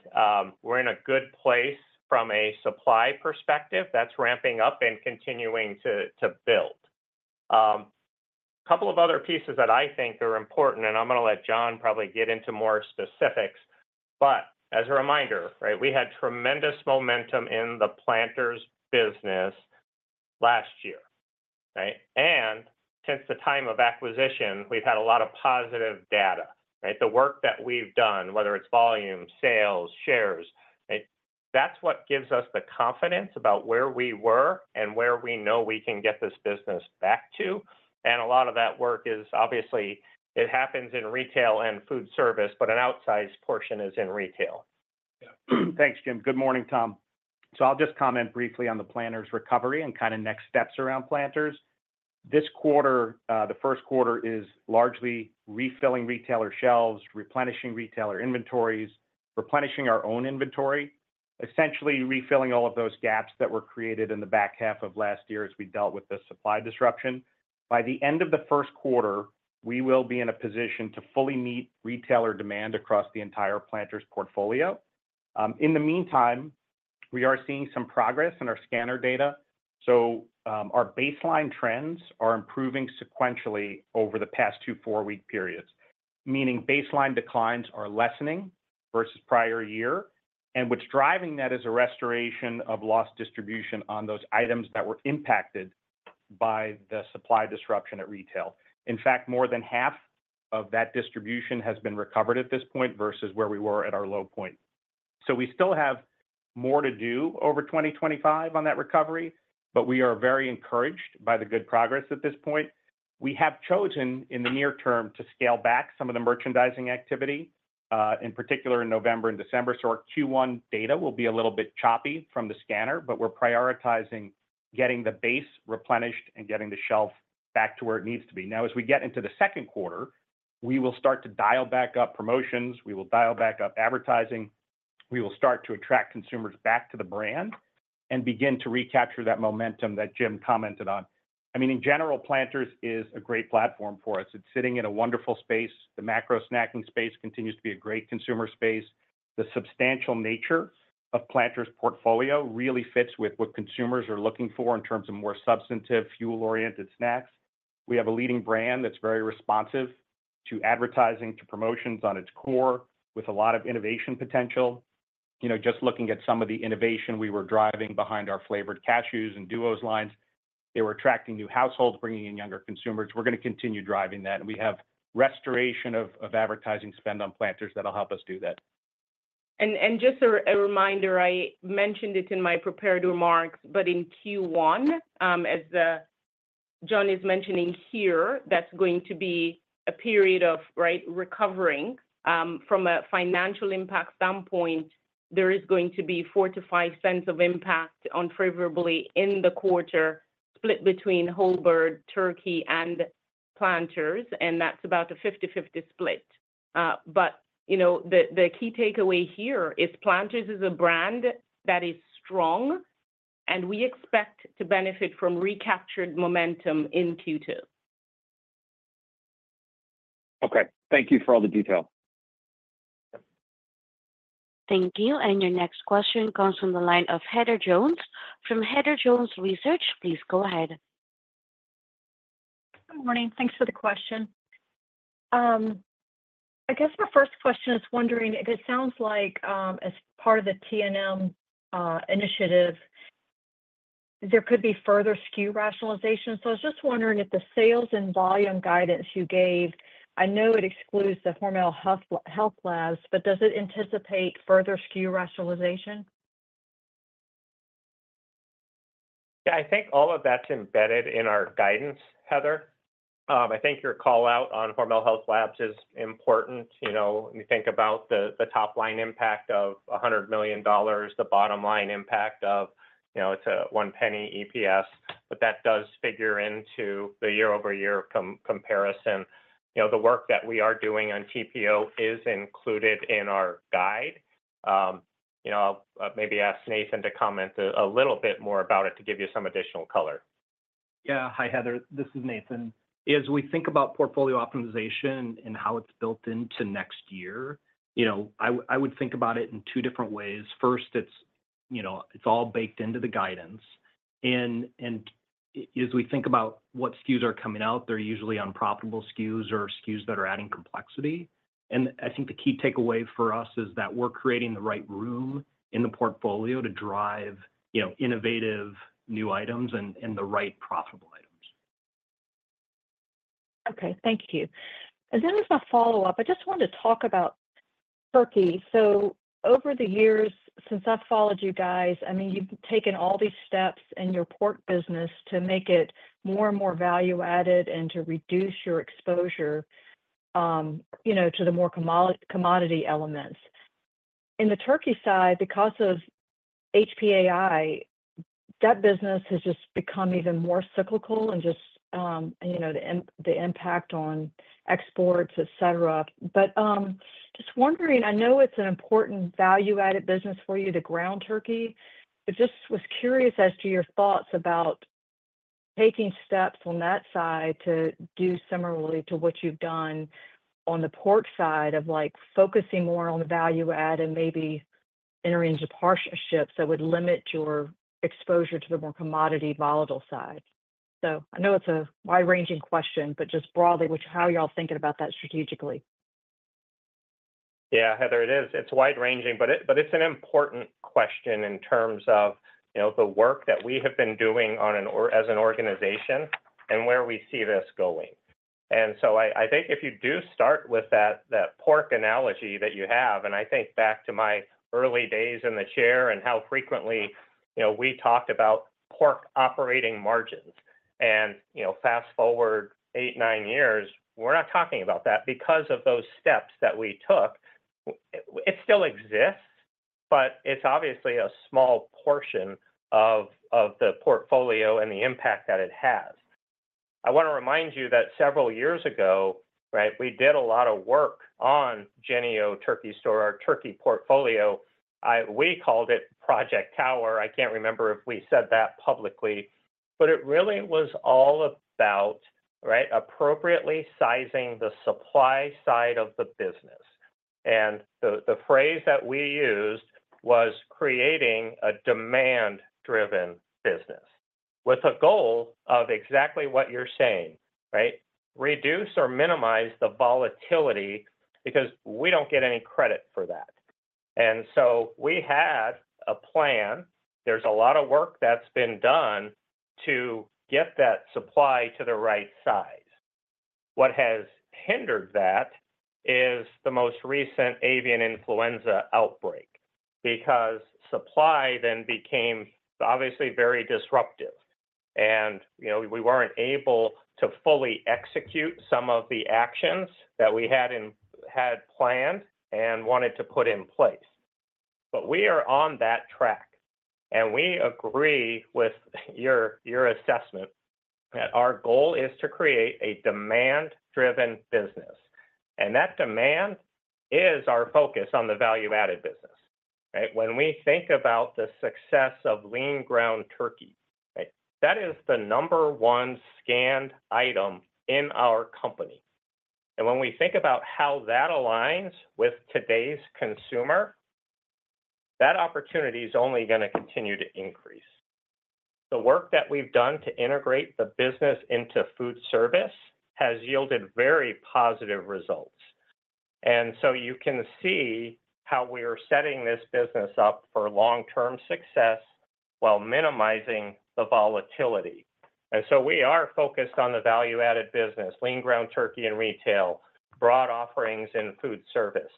S2: we're in a good place from a supply perspective that's ramping up and continuing to build. A couple of other pieces that I think are important, and I'm going to let John probably get into more specifics. But as a reminder, we had tremendous momentum in the Planters business last year. And since the time of acquisition, we've had a lot of positive data. The work that we've done, whether it's volume, sales, shares, that's what gives us the confidence about where we were and where we know we can get this business back to. And a lot of that work is obviously it happens in Retail and Foodservice, but an outsized portion is in Retail.
S9: Yeah. Thanks, Jim. Good morning, Tom. So I'll just comment briefly on the Planters recovery and kind of next steps around Planters. This quarter, the first quarter is largely refilling retailer shelves, replenishing retailer inventories, replenishing our own inventory, essentially refilling all of those gaps that were created in the back half of last year as we dealt with the supply disruption. By the end of the first quarter, we will be in a position to fully meet retailer demand across the entire Planters portfolio. In the meantime, we are seeing some progress in our scanner data. So our baseline trends are improving sequentially over the past two four-week periods, meaning baseline declines are lessening versus prior year. And what's driving that is a restoration of lost distribution on those items that were impacted by the supply disruption at retail. In fact, more than half of that distribution has been recovered at this point versus where we were at our low point. So we still have more to do over 2025 on that recovery, but we are very encouraged by the good progress at this point. We have chosen in the near term to scale back some of the merchandising activity, in particular in November and December. So our Q1 data will be a little bit choppy from the scanner, but we're prioritizing getting the base replenished and getting the shelf back to where it needs to be. Now, as we get into the second quarter, we will start to dial back up promotions. We will dial back up advertising. We will start to attract consumers back to the brand and begin to recapture that momentum that Jim commented on. I mean, in general, Planters is a great platform for us. It's sitting in a wonderful space. The macro snacking space continues to be a great consumer space. The substantial nature of Planters' portfolio really fits with what consumers are looking for in terms of more substantive fuel-oriented snacks. We have a leading brand that's very responsive to advertising, to promotions on its core with a lot of innovation potential. Just looking at some of the innovation we were driving behind our Flavored Cashews in the Duos line, they were attracting new households, bringing in younger consumers. We're going to continue driving that. And we have restoration of advertising spend on Planters that'll help us do that.
S4: Just a reminder, I mentioned it in my prepared remarks, but in Q1, as John is mentioning here, that's going to be a period of recovering. From a financial impact standpoint, there is going to be $0.04-$0.05 of favorable impact in the quarter split between whole bird turkey, and Planters. That's about a 50/50 split. The key takeaway here is Planters is a brand that is strong, and we expect to benefit from recaptured momentum in Q2.
S8: Okay. Thank you for all the detail.
S3: Thank you. And your next question comes from the line of Heather Jones from Heather Jones Research, please go ahead.
S10: Good morning. Thanks for the question. I guess my first question is wondering if it sounds like as part of the T&M initiative, there could be further SKU rationalization. So I was just wondering if the sales and volume guidance you gave, I know it excludes the Hormel Health Labs, but does it anticipate further SKU rationalization?
S3: Yeah. I think all of that's embedded in our guidance, Heather. I think your callout on Hormel Health Labs is important. You think about the top line impact of $100 million, the bottom line impact of. It's a $0.01 EPS, but that does figure into the year-over-year comparison. The work that we are doing on TPO is included in our guide. I'll maybe ask Nathan to comment a little bit more about it to give you some additional color.
S5: Yeah. Hi, Heather. This is Nathan. As we think about portfolio optimization and how it's built into next year, I would think about it in two different ways. First, it's all baked into the guidance. And as we think about what SKUs are coming out, they're usually unprofitable SKUs or SKUs that are adding complexity. And I think the key takeaway for us is that we're creating the right room in the portfolio to drive innovative new items and the right profitable items.
S10: Okay. Thank you. And then as a follow-up, I just wanted to talk about turkey. So over the years since I've followed you guys, I mean, you've taken all these steps in your pork business to make it more and more value-added and to reduce your exposure to the more commodity elements. In the turkey side, because of HPAI, that business has just become even more cyclical and just the impact on exports, etc. But just wondering, I know it's an important value-added business for you to ground turkey. I just was curious as to your thoughts about taking steps on that side to do similarly to what you've done on the pork side of focusing more on the value-add and maybe entering into partnerships that would limit your exposure to the more commodity volatile side. So I know it's a wide-ranging question, but just broadly, how are y'all thinking about that strategically?
S3: Yeah, Heather, it is. It's wide-ranging, but it's an important question in terms of the work that we have been doing as an organization and where we see this going. And so I think if you do start with that pork analogy that you have, and I think back to my early days in the Chair and how frequently we talked about pork operating margins. And fast forward eight, nine years, we're not talking about that because of those steps that we took. It still exists, but it's obviously a small portion of the portfolio and the impact that it has. I want to remind you that several years ago, we did a lot of work on Jennie-O Turkey Store, our Turkey portfolio. We called it Project Tower. I can't remember if we said that publicly, but it really was all about appropriately sizing the supply side of the business. And the phrase that we used was creating a demand-driven business with a goal of exactly what you're saying, reduce or minimize the volatility because we don't get any credit for that. And so we had a plan. There's a lot of work that's been done to get that supply to the right size. What has hindered that is the most recent avian influenza outbreak because supply then became obviously very disruptive. And we weren't able to fully execute some of the actions that we had planned and wanted to put in place. But we are on that track. And we agree with your assessment that our goal is to create a demand-driven business. And that demand is our focus on the value-added business. When we think about the success of lean ground turkey, that is the number one scanned item in our company. And when we think about how that aligns with today's consumer, that opportunity is only going to continue to increase. The work that we've done to integrate the business into Foodservice has yielded very positive results. And so you can see how we are setting this business up for long-term success while minimizing the volatility. And so we are focused on the value-added business, lean ground turkey and retail, broad offerings in Foodservice.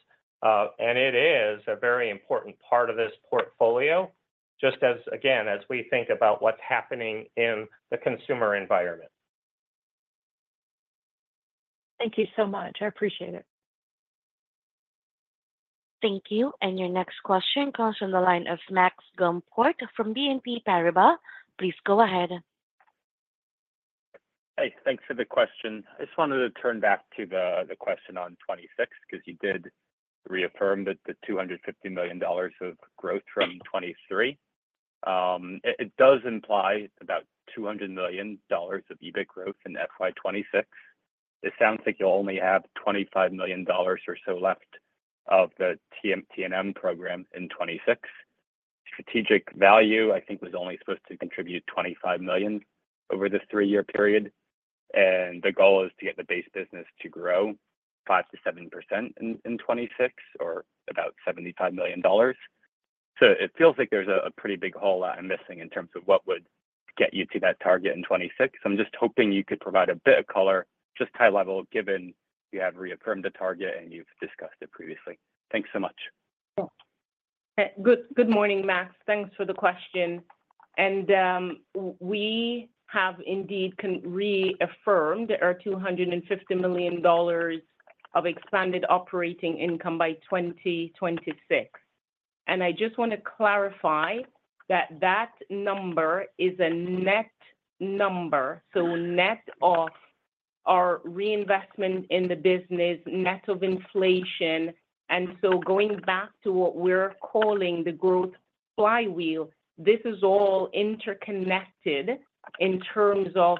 S3: And it is a very important part of this portfolio, just as, again, as we think about what's happening in the consumer environment.
S10: Thank you so much. I appreciate it.
S1: Thank you. And your next question comes from the line of Max Gumport from BNP Paribas. Please go ahead.
S11: Hey, thanks for the question. I just wanted to turn back to the question on 2026 because you did reaffirm that the $250 million of growth from 2023. It does imply about $200 million of EBIT growth in FY 2026. It sounds like you'll only have $25 million or so left of the T&M program in 2026. Strategic value, I think, was only supposed to contribute $25 million over the three-year period. And the goal is to get the base business to grow 5%-7% in 2026 or about $75 million. So it feels like there's a pretty big hole I'm missing in terms of what would get you to that target in 2026. I'm just hoping you could provide a bit of color, just high level, given you have reaffirmed the target and you've discussed it previously. Thanks so much.
S4: Good morning, Max. Thanks for the question. And we have indeed reaffirmed our $250 million of expanded operating income by 2026. And I just want to clarify that that number is a net number. So net of our reinvestment in the business, net of inflation. And so going back to what we're calling the growth flywheel, this is all interconnected in terms of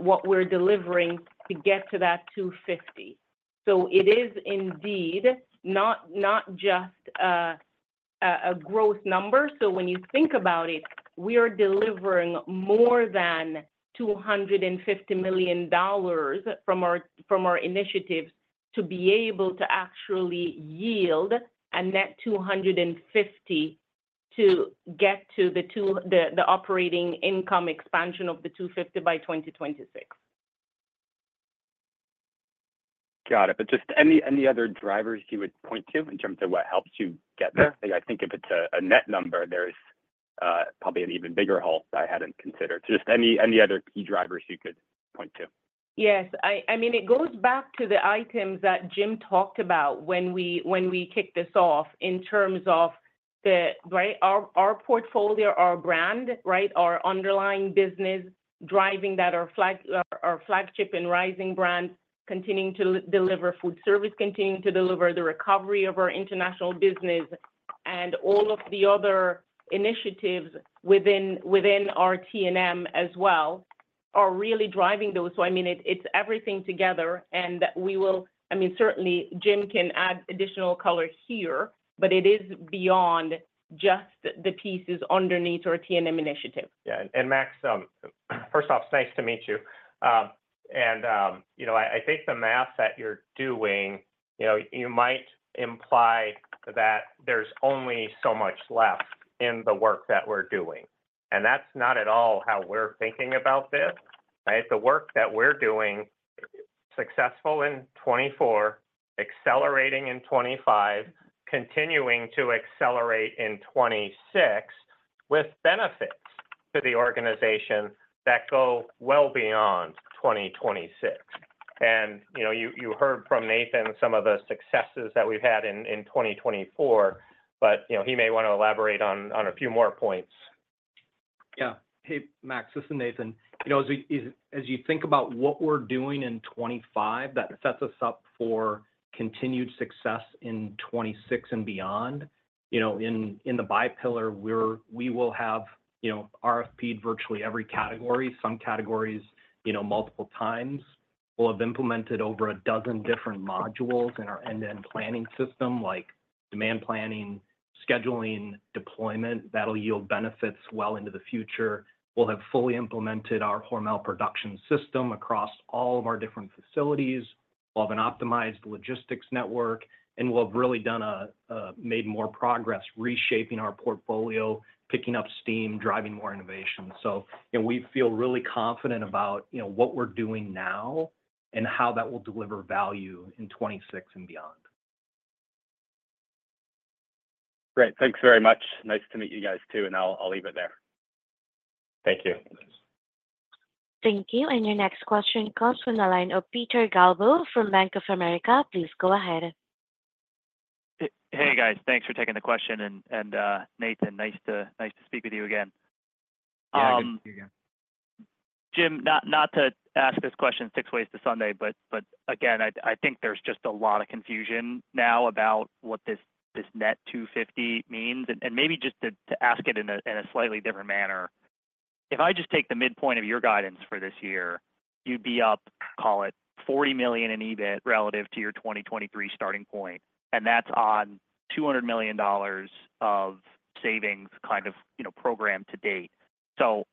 S4: what we're delivering to get to that $250 million. So it is indeed not just a growth number. So when you think about it, we are delivering more than $250 million from our initiatives to be able to actually yield a net $250 million to get to the operating income expansion of the $250 million by 2026.
S11: Got it. But just any other drivers you would point to in terms of what helps you get there? I think if it's a net number, there's probably an even bigger hole that I hadn't considered. Just any other key drivers you could point to.
S4: Yes. I mean, it goes back to the items that Jim talked about when we kicked this off in terms of our portfolio, our brand, our underlying business, driving that our flagship and rising brand, continuing to deliver Foodservice, continuing to deliver the recovery of our International business, and all of the other initiatives within our T&M as well are really driving those. So I mean, it's everything together. And I mean, certainly, Jim can add additional color here, but it is beyond just the pieces underneath our T&M initiative.
S3: Yeah. And Max, first off, it's nice to meet you. And I think the math that you're doing, you might imply that there's only so much left in the work that we're doing. And that's not at all how we're thinking about this. The work that we're doing, successful in 2024, accelerating in 2025, continuing to accelerate in 2026 with benefits to the organization that go well beyond 2026. And you heard from Nathan some of the successes that we've had in 2024, but he may want to elaborate on a few more points.
S5: Yeah. Hey, Max, this is Nathan. As you think about what we're doing in 2025, that sets us up for continued success in 2026 and beyond. In the pipeline, we will have RFP'd virtually every category, some categories multiple times. We'll have implemented over a dozen different modules in our end-to-end planning system, like demand planning, scheduling, deployment. That'll yield benefits well into the future. We'll have fully implemented our Hormel Production System across all of our different facilities. We'll have an optimized logistics network. And we'll have really made more progress reshaping our portfolio, picking up steam, driving more innovation. So we feel really confident about what we're doing now and how that will deliver value in 2026 and beyond.
S11: Great. Thanks very much. Nice to meet you guys too, and I'll leave it there. Thank you.
S1: Thank you. And your next question comes from the line of Peter Galbo from Bank of America. Please go ahead.
S12: Hey, guys. Thanks for taking the question. And Nathan, nice to speak with you again.
S5: Yeah, nice to see you again.
S12: Jim, not to ask this question six ways to Sunday, but again, I think there's just a lot of confusion now about what this net $250 million means. And maybe just to ask it in a slightly different manner. If I just take the midpoint of your guidance for this year, you'd be up, call it, $40 million in EBIT relative to your 2023 starting point. And that's on $200 million of savings kind of program to date. So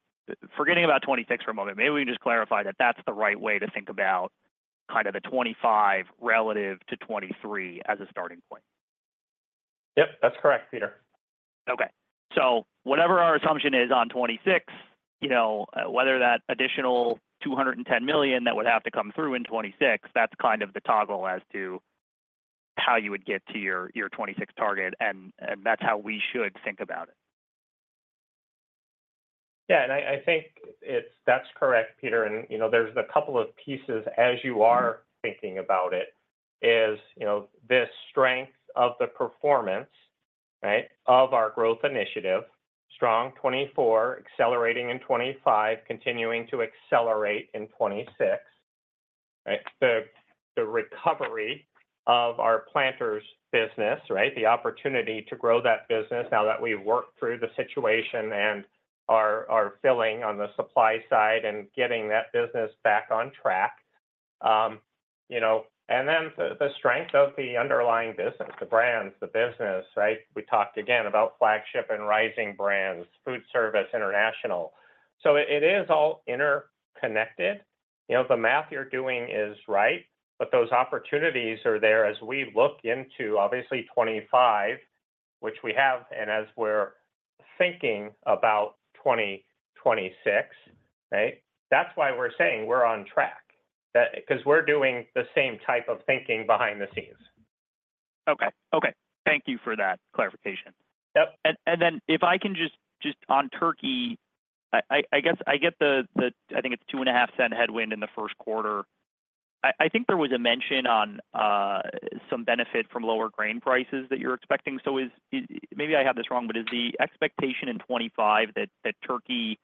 S12: forgetting about 2026 for a moment, maybe we can just clarify that that's the right way to think about kind of the 2025 relative to 2023 as a starting point.
S3: Yep. That's correct, Peter.
S12: Okay. So whatever our assumption is on 2026, whether that additional $210 million that would have to come through in 2026, that's kind of the toggle as to how you would get to your 2026 target. And that's how we should think about it.
S3: Yeah. And I think that's correct, Peter. And there's a couple of pieces as you are thinking about it is this strength of the performance of our growth initiative, strong 2024, accelerating in 2025, continuing to accelerate in 2026, the recovery of our Planters business, the opportunity to grow that business now that we've worked through the situation and are filling on the supply side and getting that business back on track. And then the strength of the underlying business, the brands, the business. We talked again about flagship and rising Foodservice, International. So it is all interconnected. The math you're doing is right, but those opportunities are there as we look into, obviously, 2025, which we have, and as we're thinking about 2026. That's why we're saying we're on track because we're doing the same type of thinking behind the scenes.
S12: Okay. Okay. Thank you for that clarification. Yep. And then if I can just on Turkey, I guess I get the. I think it's a $0.025 headwind in the first quarter. I think there was a mention on some benefit from lower grain prices that you're expecting. So maybe I have this wrong, but is the expectation in 2025 that Turkey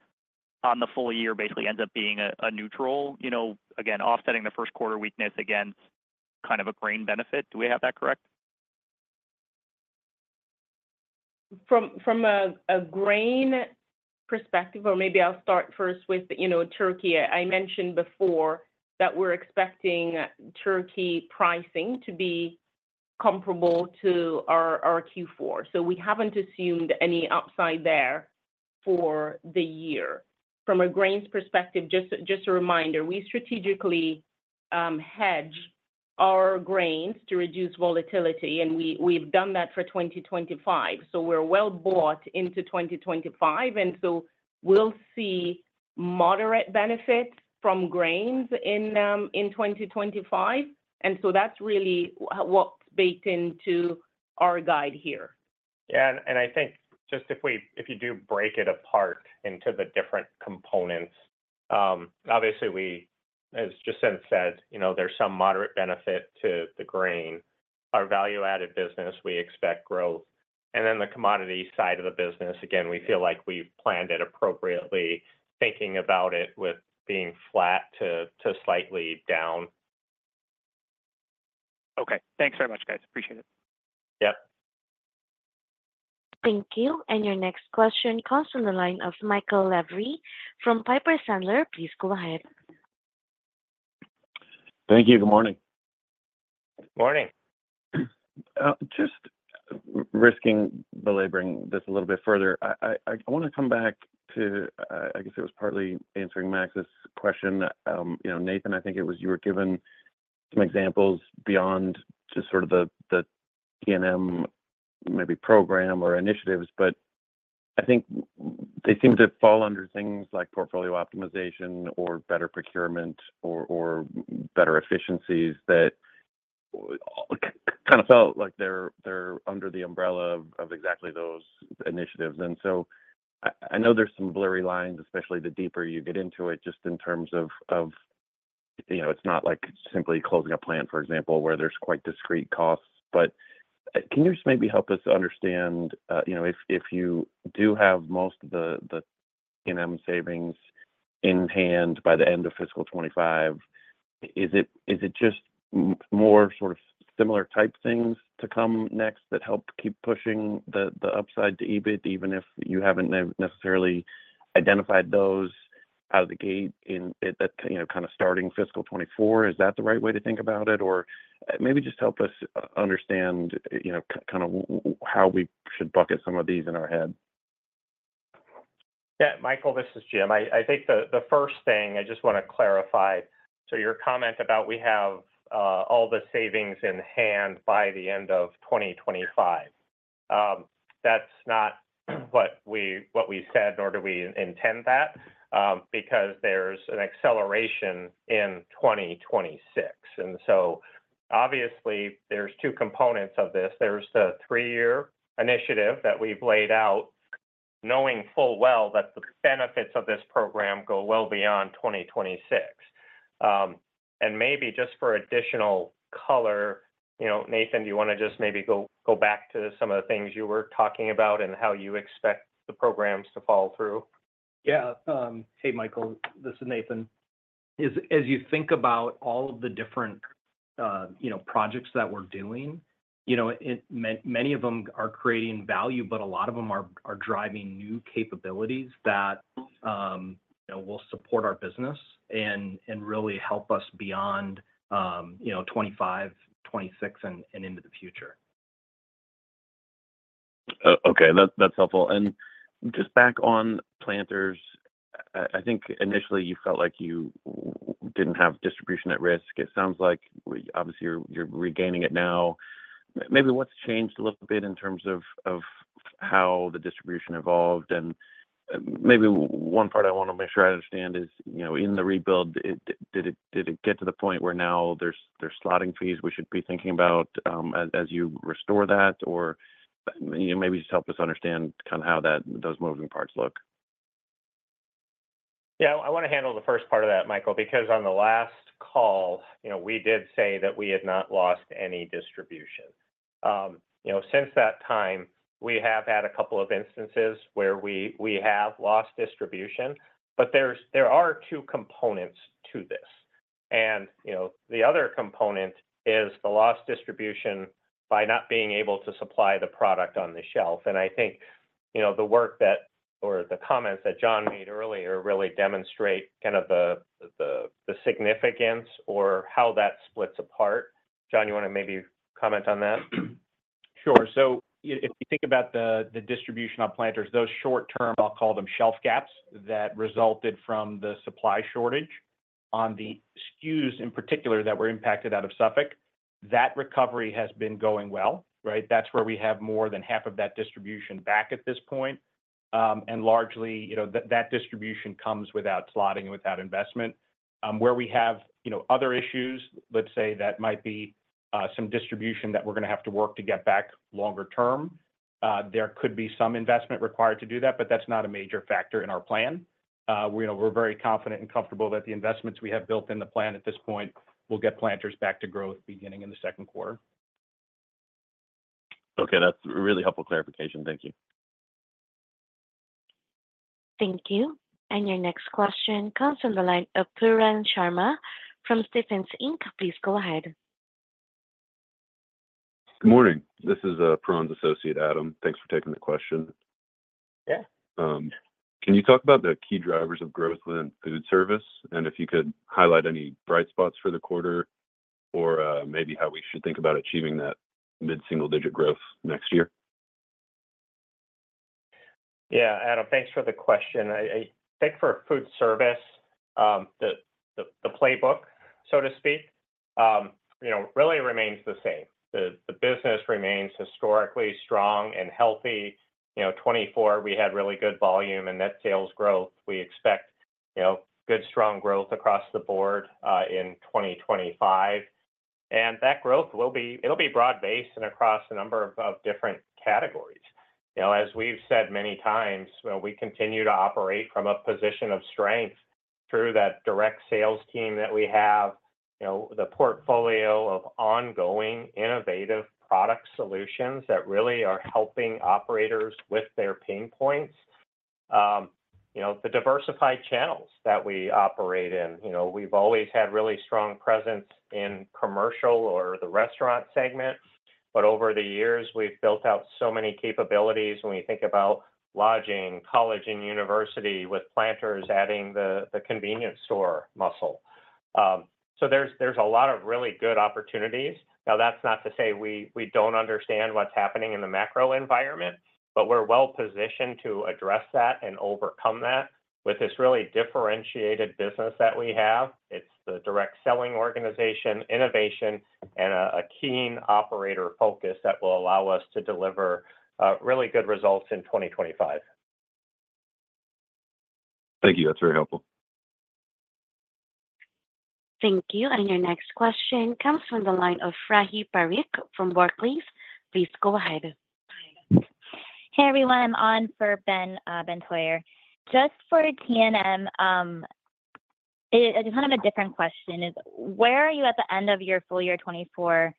S12: on the full year basically ends up being neutral, again, offsetting the first quarter weakness against kind of a grain benefit? Do we have that correct?
S4: From a grain perspective, or maybe I'll start first with Turkey. I mentioned before that we're expecting turkey pricing to be comparable to our Q4. So we haven't assumed any upside there for the year. From a grains perspective, just a reminder, we strategically hedge our grains to reduce volatility. And we've done that for 2025. So we're well bought into 2025. And so we'll see moderate benefits from grains in 2025. And so that's really what's baked into our guide here.
S9: Yeah. And I think just if you do break it apart into the different components, obviously, as Jacinth said, there's some moderate benefit to the grain. Our value-added business, we expect growth. And then the commodity side of the business, again, we feel like we've planned it appropriately, thinking about it with being flat to slightly down.
S12: Okay. Thanks very much, guys. Appreciate it.
S3: Yep.
S1: Thank you. And your next question comes from the line of Michael Lavery from Piper Sandler. Please go ahead.
S13: Thank you. Good morning.
S3: Morning.
S13: Just risking belaboring this a little bit further, I want to come back to, I guess it was partly answering Max's question. Nathan, I think it was you were given some examples beyond just sort of the T&M maybe program or initiatives, but I think they seem to fall under things like portfolio optimization or better procurement or better efficiencies that kind of felt like they're under the umbrella of exactly those initiatives. And so I know there's some blurry lines, especially the deeper you get into it, just in terms of it's not like simply closing a plant, for example, where there's quite discrete costs. But can you just maybe help us understand if you do have most of the T&M savings in hand by the end of fiscal 2025, is it just more sort of similar type things to come next that help keep pushing the upside to EBIT, even if you haven't necessarily identified those out of the gate in kind of starting fiscal 2024? Is that the right way to think about it? Or maybe just help us understand kind of how we should bucket some of these in our head.
S3: Yeah. Michael, this is Jim. I think the first thing I just want to clarify. So your comment about we have all the savings in hand by the end of 2025, that's not what we said, nor do we intend that, because there's an acceleration in 2026. And so obviously, there's two components of this. There's the three-year initiative that we've laid out, knowing full well that the benefits of this program go well beyond 2026. And maybe just for additional color, Nathan, do you want to just maybe go back to some of the things you were talking about and how you expect the programs to follow through?
S5: Yeah. Hey, Michael, this is Nathan. As you think about all of the different projects that we're doing, many of them are creating value, but a lot of them are driving new capabilities that will support our business and really help us beyond 2025, 2026, and into the future.
S13: Okay. That's helpful, and just back on Planters, I think initially you felt like you didn't have distribution at risk. It sounds like obviously you're regaining it now. Maybe what's changed a little bit in terms of how the distribution evolved? And maybe one part I want to make sure I understand is in the rebuild, did it get to the point where now there's slotting fees we should be thinking about as you restore that? Or maybe just help us understand kind of how those moving parts look.
S3: Yeah. I want to handle the first part of that, Michael, because on the last call, we did say that we had not lost any distribution. Since that time, we have had a couple of instances where we have lost distribution, but there are two components to this. And the other component is the lost distribution by not being able to supply the product on the shelf. And I think the work that or the comments that John made earlier really demonstrate kind of the significance or how that splits apart. John, you want to maybe comment on that?
S9: Sure. So if you think about the distribution of Planters, those short-term, I'll call them shelf gaps that resulted from the supply shortage on the SKUs in particular that were impacted out of Suffolk, that recovery has been going well. That's where we have more than half of that distribution back at this point. And largely, that distribution comes without slotting and without investment. Where we have other issues, let's say that might be some distribution that we're going to have to work to get back longer term, there could be some investment required to do that, but that's not a major factor in our plan. We're very confident and comfortable that the investments we have built in the plan at this point will get Planters back to growth beginning in the second quarter.
S13: Okay. That's really helpful clarification. Thank you.
S1: Thank you. And your next question comes from the line of Pooran Sharma from Stephens Inc. Please go ahead. Good morning. This is Pooran's associate, Adam. Thanks for taking the question.
S3: Yeah. Can you talk about the key drivers of growth within Foodservice, and if you could highlight any bright spots for the quarter or maybe how we should think about achieving that mid-single-digit growth next year? Yeah. Adam, thanks for the question. I think for Foodservice, the playbook, so to speak, really remains the same. The business remains historically strong and healthy. 2024, we had really good volume and net sales growth. We expect good, strong growth across the board in 2025. And that growth, it'll be broad-based and across a number of different categories. As we've said many times, we continue to operate from a position of strength through that direct sales team that we have, the portfolio of ongoing innovative product solutions that really are helping operators with their pain points. The diversified channels that we operate in, we've always had really strong presence in Commercial or the Restaurant segment. But over the years, we've built out so many capabilities when we think about lodging, college and university with Planters adding the convenience store muscle. So there's a lot of really good opportunities. Now, that's not to say we don't understand what's happening in the macro environment, but we're well positioned to address that and overcome that with this really differentiated business that we have. It's the direct selling organization, innovation, and a keen operator focus that will allow us to deliver really good results in 2025. Thank you. That's very helpful.
S1: Thank you. And your next question comes from the line of Rahi Parikh from Barclays. Please go ahead.
S14: Hey, everyone. I'm on for Ben Theurer. Just for T&M, kind of a different question is where are you at the end of your full year 2024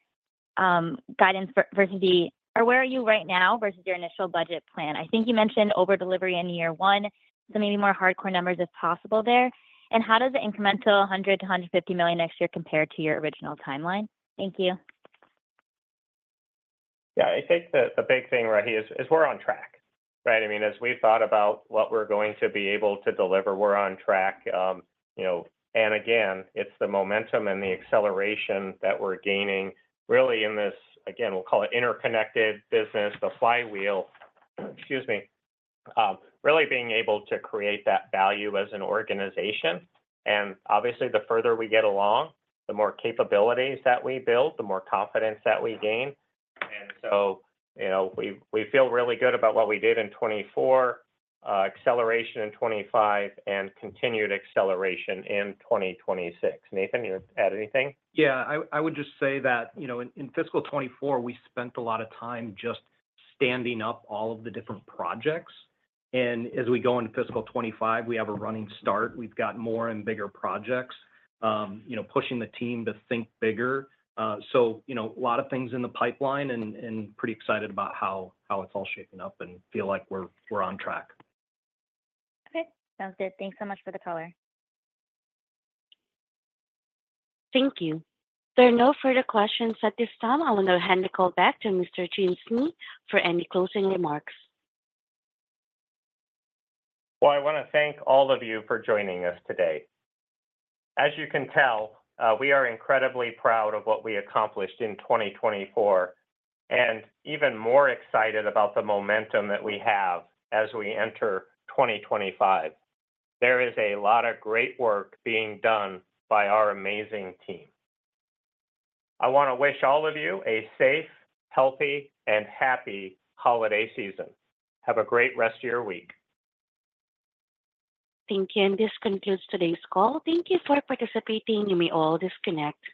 S14: guidance versus the or where are you right now versus your initial budget plan? I think you mentioned over-delivery in year one, so maybe more hardcore numbers if possible there. And how does the incremental $100 million-$150 million next year compare to your original timeline? Thank you.
S3: Yeah. I think the big thing, Rahi, is we're on track. I mean, as we've thought about what we're going to be able to deliver, we're on track. And again, it's the momentum and the acceleration that we're gaining really in this, again, we'll call it interconnected business, the flywheel, excuse me, really being able to create that value as an organization. And obviously, the further we get along, the more capabilities that we build, the more confidence that we gain. And so we feel really good about what we did in 2024, acceleration in 2025, and continued acceleration in 2026. Nathan, you want to add anything?
S5: Yeah. I would just say that in fiscal 2024, we spent a lot of time just standing up all of the different projects. And as we go into fiscal 2025, we have a running start. We've got more and bigger projects, pushing the team to think bigger. So a lot of things in the pipeline and pretty excited about how it's all shaping up and feel like we're on track.
S14: Okay. Sounds good. Thanks so much for the color.
S1: Thank you. There are no further questions at this time. I will now hand the call back to Mr. Jim Snee for any closing remarks.
S3: I want to thank all of you for joining us today. As you can tell, we are incredibly proud of what we accomplished in 2024 and even more excited about the momentum that we have as we enter 2025. There is a lot of great work being done by our amazing team. I want to wish all of you a safe, healthy, and happy holiday season. Have a great rest of your week.
S1: Thank you. And this concludes today's call. Thank you for participating. You may all disconnect.